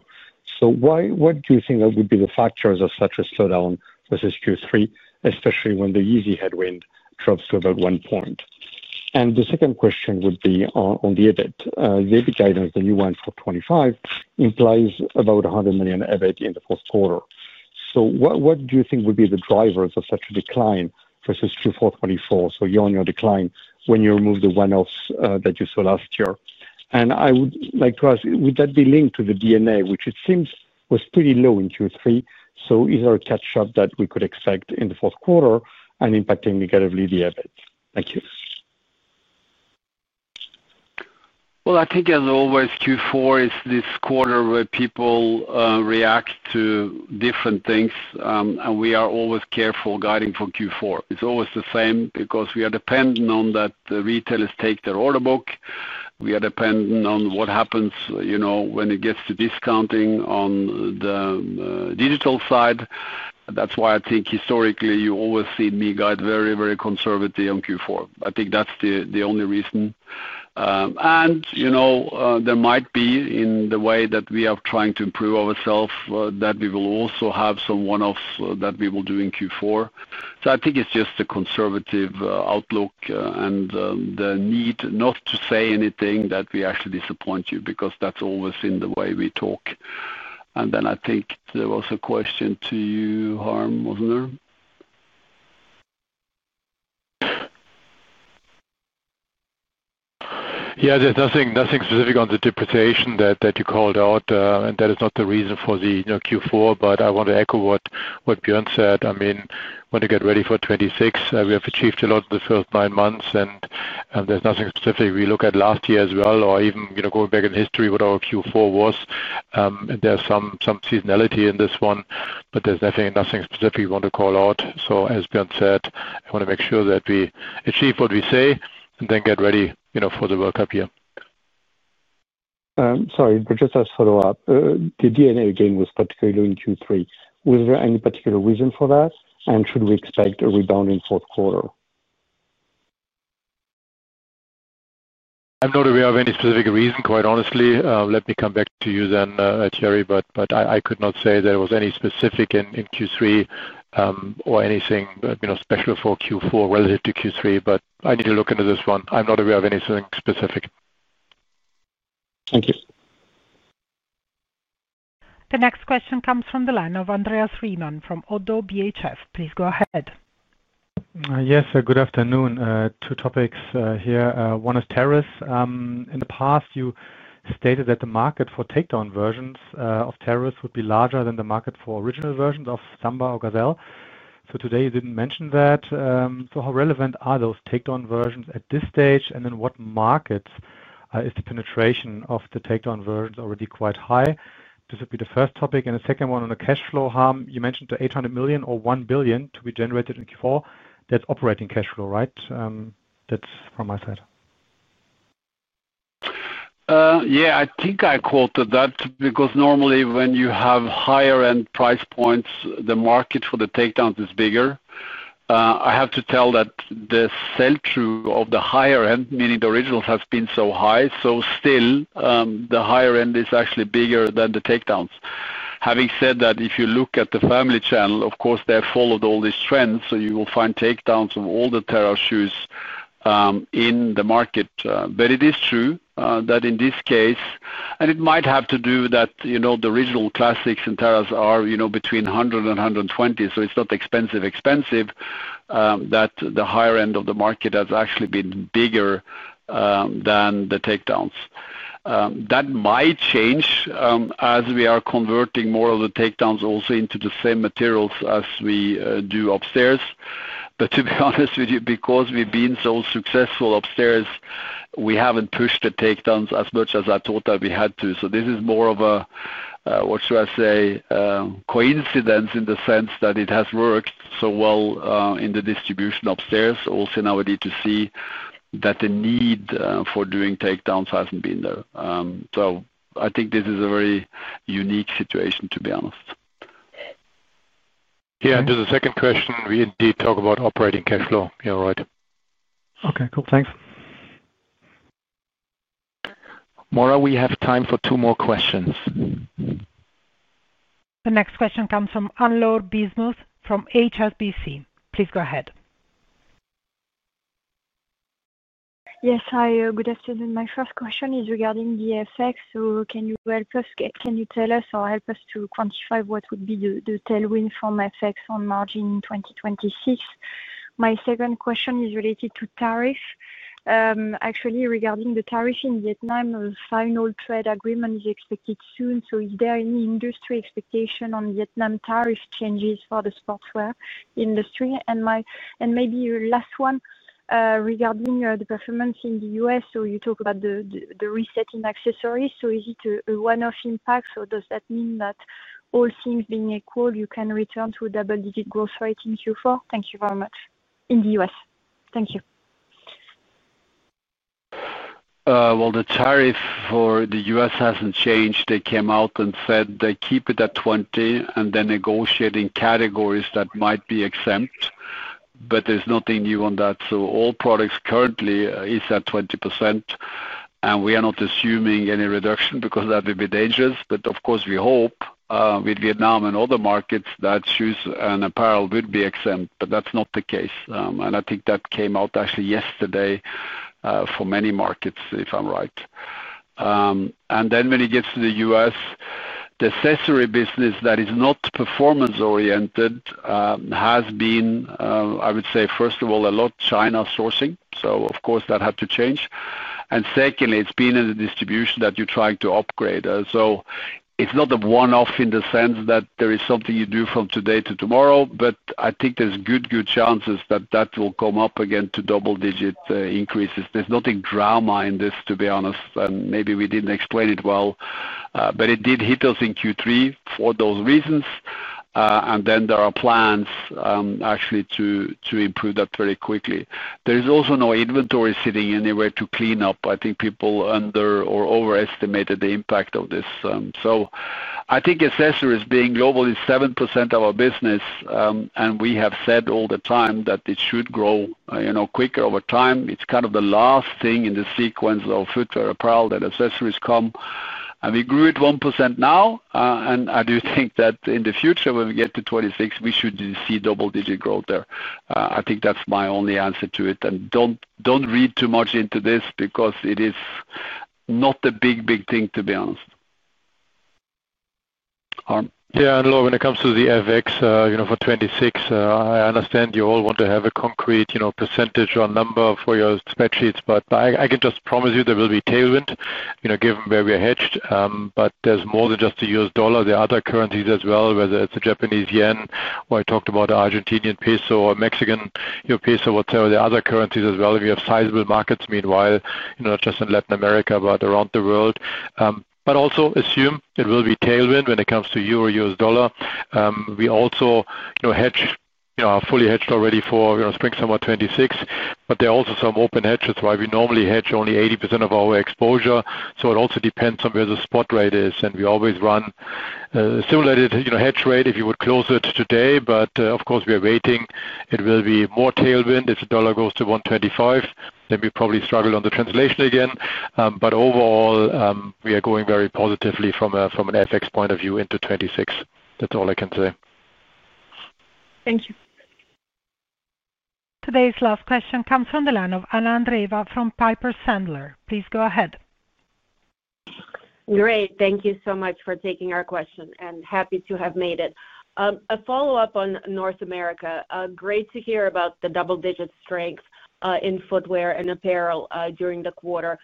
[SPEAKER 12] What do you think would be the factors of such a slowdown versus Q3, especially when the Yeezy headwind drops to about one point? The second question would be on the EBIT. The EBIT guidance, the new one for 2025, implies about 100 million EBIT in the fourth quarter. What do you think would be the drivers of such a decline versus Q4 2024? You're on your decline when you remove the one-offs that you saw last year. I would like to ask, would that be linked to the BNA, which it seems was pretty low in Q3? Is there a catch-up that we could expect in the fourth quarter and impacting negatively the EBIT? Thank you.
[SPEAKER 3] I think, as always, Q4 is this quarter where people react to different things. We are always careful guiding for Q4. It's always the same because we are dependent on that retailers take their order book. We are dependent on what happens, you know, when it gets to discounting on the digital side. That's why I think historically you always see me guide very, very conservatively on Q4. I think that's the only reason. You know there might be in the way that we are trying to improve ourselves that we will also have some one-offs that we will do in Q4. I think it's just a conservative outlook and the need not to say anything that we actually disappoint you because that's always in the way we talk. I think there was a question to you, Harm, wasn't there?
[SPEAKER 4] Yeah, there's nothing specific on the depreciation that you called out. That is not the reason for the Q4, but I want to echo what Bjørn said. I mean, when you get ready for 2026, we have achieved a lot in the first nine months. There's nothing specific. We look at last year as well or even, you know, going back in history what our Q4 was. There's some seasonality in this one. There's nothing specific we want to call out. As Bjørn said, I want to make sure that we achieve what we say and then get ready, you know, for the World Cup year.
[SPEAKER 12] Sorry, but just as a follow-up, the BNP Paribas gain was particularly low in Q3. Was there any particular reason for that? Should we expect a rebound in the fourth quarter?
[SPEAKER 4] I'm not aware of any specific reason, quite honestly. Let me come back to you then, Thierry. I could not say there was any specific in Q3 or anything special for Q4 relative to Q3. I need to look into this one. I'm not aware of anything specific.
[SPEAKER 12] Thank you.
[SPEAKER 1] The next question comes from the line of Andreas Riemann from ODDO BHF. Please go ahead.
[SPEAKER 13] Yes, good afternoon. Two topics here. One is tariffs. In the past, you stated that the market for takedown versions of tariffs would be larger than the market for original versions of Samba or Gazelle. Today, you didn't mention that. How relevant are those takedown versions at this stage? In what markets is the penetration of the takedown versions already quite high? This would be the first topic. The second one on the cash flow, Harm, you mentioned the 800 million or 1 billion to be generated in Q4. That's operating cash flow, right? That's from my side.
[SPEAKER 3] Yeah, I think I quoted that because normally when you have higher-end price points, the market for the takedowns is bigger. I have to tell that the sell-through of the higher-end, meaning the originals, has been so high. Still, the higher-end is actually bigger than the takedowns. Having said that, if you look at the family channel, of course, they have followed all these trends. You will find takedowns of all the Terra shoes in the market. It is true that in this case, and it might have to do with that, you know, the original classics and Terras are, you know, between 100 and 120. It is not expensive-expensive that the higher end of the market has actually been bigger than the takedowns. That might change as we are converting more of the takedowns also into the same materials as we do upstairs. To be honest with you, because we've been so successful upstairs, we haven't pushed the takedowns as much as I thought that we had to. This is more of a, what should I say, coincidence in the sense that it has worked so well in the distribution upstairs, also in our direct-to-consumer, that the need for doing takedowns hasn't been there. I think this is a very unique situation, to be honest.
[SPEAKER 4] Yeah, to the second question, we indeed talk about operating cash flow. Yeah, right.
[SPEAKER 13] Okay, cool. Thanks.
[SPEAKER 2] Mora, we have time for two more questions.
[SPEAKER 1] The next question comes from Anne-Laure Bismuth from HSBC. Please go ahead.
[SPEAKER 14] Yes, hi. Good afternoon. My first question is regarding the FX. Can you tell us or help us to quantify what would be the tailwind from FX on margin in 2026? My second question is related to tariff. Actually, regarding the tariff in Vietnam, the final trade agreement is expected soon. Is there any industry expectation on Vietnam tariff changes for the sportswear industry? Maybe your last one, regarding the performance in the U.S. You talk about the reset in accessories. Is it a one-off impact? Does that mean that all things being equal, you can return to a double-digit growth rate in Q4? Thank you very much. In the U.S. Thank you.
[SPEAKER 3] The tariff for the U.S. hasn't changed. They came out and said they keep it at 20% and then negotiate in categories that might be exempt. There's nothing new on that. All products currently are at 20%. We are not assuming any reduction because that would be dangerous. Of course, we hope with Vietnam and other markets that shoes and apparel would be exempt, but that's not the case. I think that came out actually yesterday for many markets, if I'm right. When it gets to the U.S., the accessory business that is not performance-oriented has been, I would say, first of all, a lot of China sourcing, so that had to change. Secondly, it's been in the distribution that you're trying to upgrade. It's not a one-off in the sense that there is something you do from today to tomorrow. I think there's good, good chances that that will come up again to double-digit increases. There's nothing drama in this, to be honest. Maybe we didn't explain it well, but it did hit us in Q3 for those reasons. There are plans actually to improve that very quickly. There is also no inventory sitting anywhere to clean up. I think people under or overestimated the impact of this. Accessories being global is 7% of our business, and we have said all the time that it should grow quicker over time. It's kind of the last thing in the sequence of footwear, apparel, that accessories come. We grew it 1% now, and I do think that in the future, when we get to 2026, we should see double-digit growth there. I think that's my only answer to it. Don't read too much into this because it is not a big, big thing, to be honest.
[SPEAKER 4] Yeah. Look, when it comes to the FX, you know, for 2026, I understand you all want to have a concrete, you know, % or a number for your spreadsheets. I can just promise you there will be tailwind, you know, given where we are hedged. There is more than just the U.S. dollar. There are other currencies as well, whether it's the Japanese yen or I talked about the Argentinian peso or Mexican peso, whatsoever. There are other currencies as well. We have sizable markets meanwhile, you know, not just in Latin America, but around the world. Also assume it will be tailwind when it comes to EUR/USD. We also, you know, hedge, you know, are fully hedged already for, you know, spring, summer, 2026. There are also some open hedges. That's why we normally hedge only 80% of our exposure. It also depends on where the spot rate is. We always run a simulated, you know, hedge rate if you would close it today. Of course, we are waiting. It will be more tailwind. If the dollar goes to 1.25, then we probably struggle on the translation again. Overall, we are going very positively from an FX point of view into 2026. That's all I can say.
[SPEAKER 14] Thank you.
[SPEAKER 1] Today's last question comes from the line of Anna Andreeva from Piper Sandler. Please go ahead.
[SPEAKER 15] Great. Thank you so much for taking our question and happy to have made it. A follow-up on North America. Great to hear about the double-digit strength in footwear and apparel during the quarter.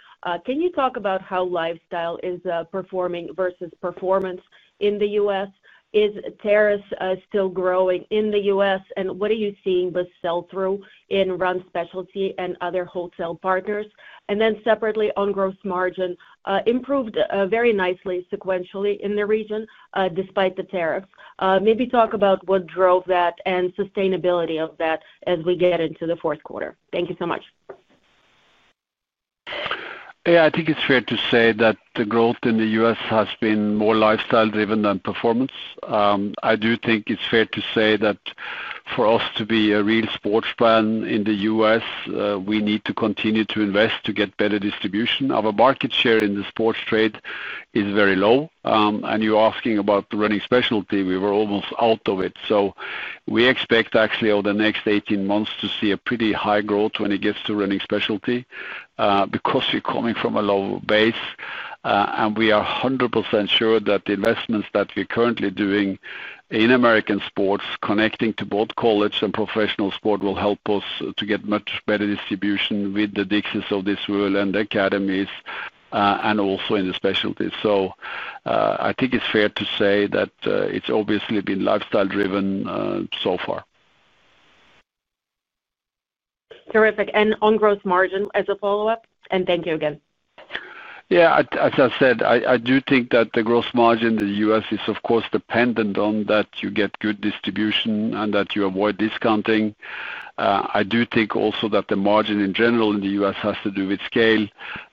[SPEAKER 15] Can you talk about how lifestyle is performing versus performance in the U.S.? Is tariffs still growing in the U.S.? What are you seeing with sell-through in run specialty and other wholesale partners? Separately, on gross margin, improved very nicely sequentially in the region despite the tariffs. Maybe talk about what drove that and sustainability of that as we get into the fourth quarter. Thank you so much.
[SPEAKER 3] Yeah, I think it's fair to say that the growth in the U.S. has been more lifestyle-driven than performance. I do think it's fair to say that for us to be a real sports brand in the U.S., we need to continue to invest to get better distribution. Our market share in the sports trade is very low. You're asking about the running specialty. We were almost out of it. We expect actually over the next 18 months to see pretty high growth when it gets to running specialty because we're coming from a low base. We are 100% sure that the investments that we're currently doing in American sports connecting to both college and professional sport will help us to get much better distribution with the Dixies of this world and the academies and also in the specialties. I think it's fair to say that it's obviously been lifestyle-driven so far.
[SPEAKER 15] Terrific. On gross margin, as a follow-up, thank you again.
[SPEAKER 3] Yeah, as I said, I do think that the gross margin in the U.S. is, of course, dependent on that you get good distribution and that you avoid discounting. I do think also that the margin in general in the U.S. has to do with scale.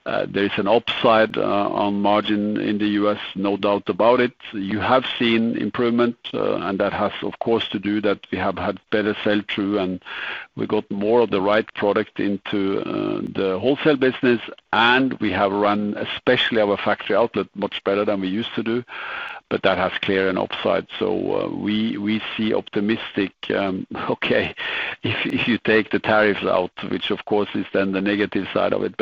[SPEAKER 3] There is an upside on margin in the U.S., no doubt about it. You have seen improvement. That has, of course, to do with that we have had better sell-through and we got more of the right product into the wholesale business. We have run especially our factory outlet much better than we used to do. That has cleared an upside. We see optimistic, okay, if you take the tariffs out, which, of course, is then the negative side of it.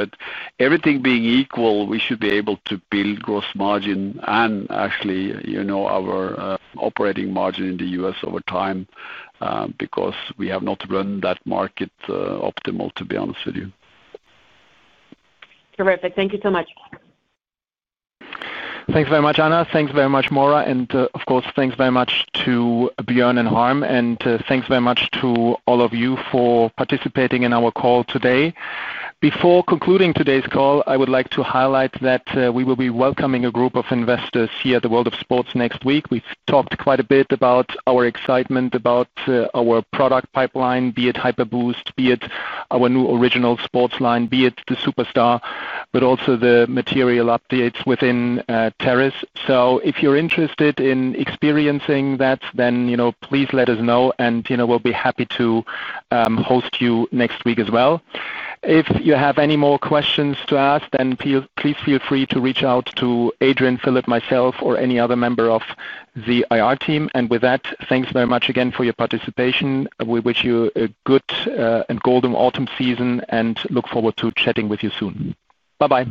[SPEAKER 3] Everything being equal, we should be able to build gross margin and actually, you know, our operating margin in the U.S. over time because we have not run that market optimal, to be honest with you.
[SPEAKER 15] Terrific. Thank you so much.
[SPEAKER 2] Thanks very much, Ana. Thanks very much, Mora. Thanks very much to Bjørn and Harm. Thanks very much to all of you for participating in our call today. Before concluding today's call, I would like to highlight that we will be welcoming a group of investors here at the World of Sports next week. We've talked quite a bit about our excitement about our product pipeline, be Hyperboost, our new original sports line, the Superstar, but also the material updates within tariffs. If you're interested in experiencing that, please let us know. We'll be happy to host you next week as well. If you have any more questions to ask, please feel free to reach out to Adrian, Philip, myself, or any other member of the IR team. With that, thanks very much again for your participation. We wish you a good and golden autumn season and look forward to chatting with you soon. Bye-bye.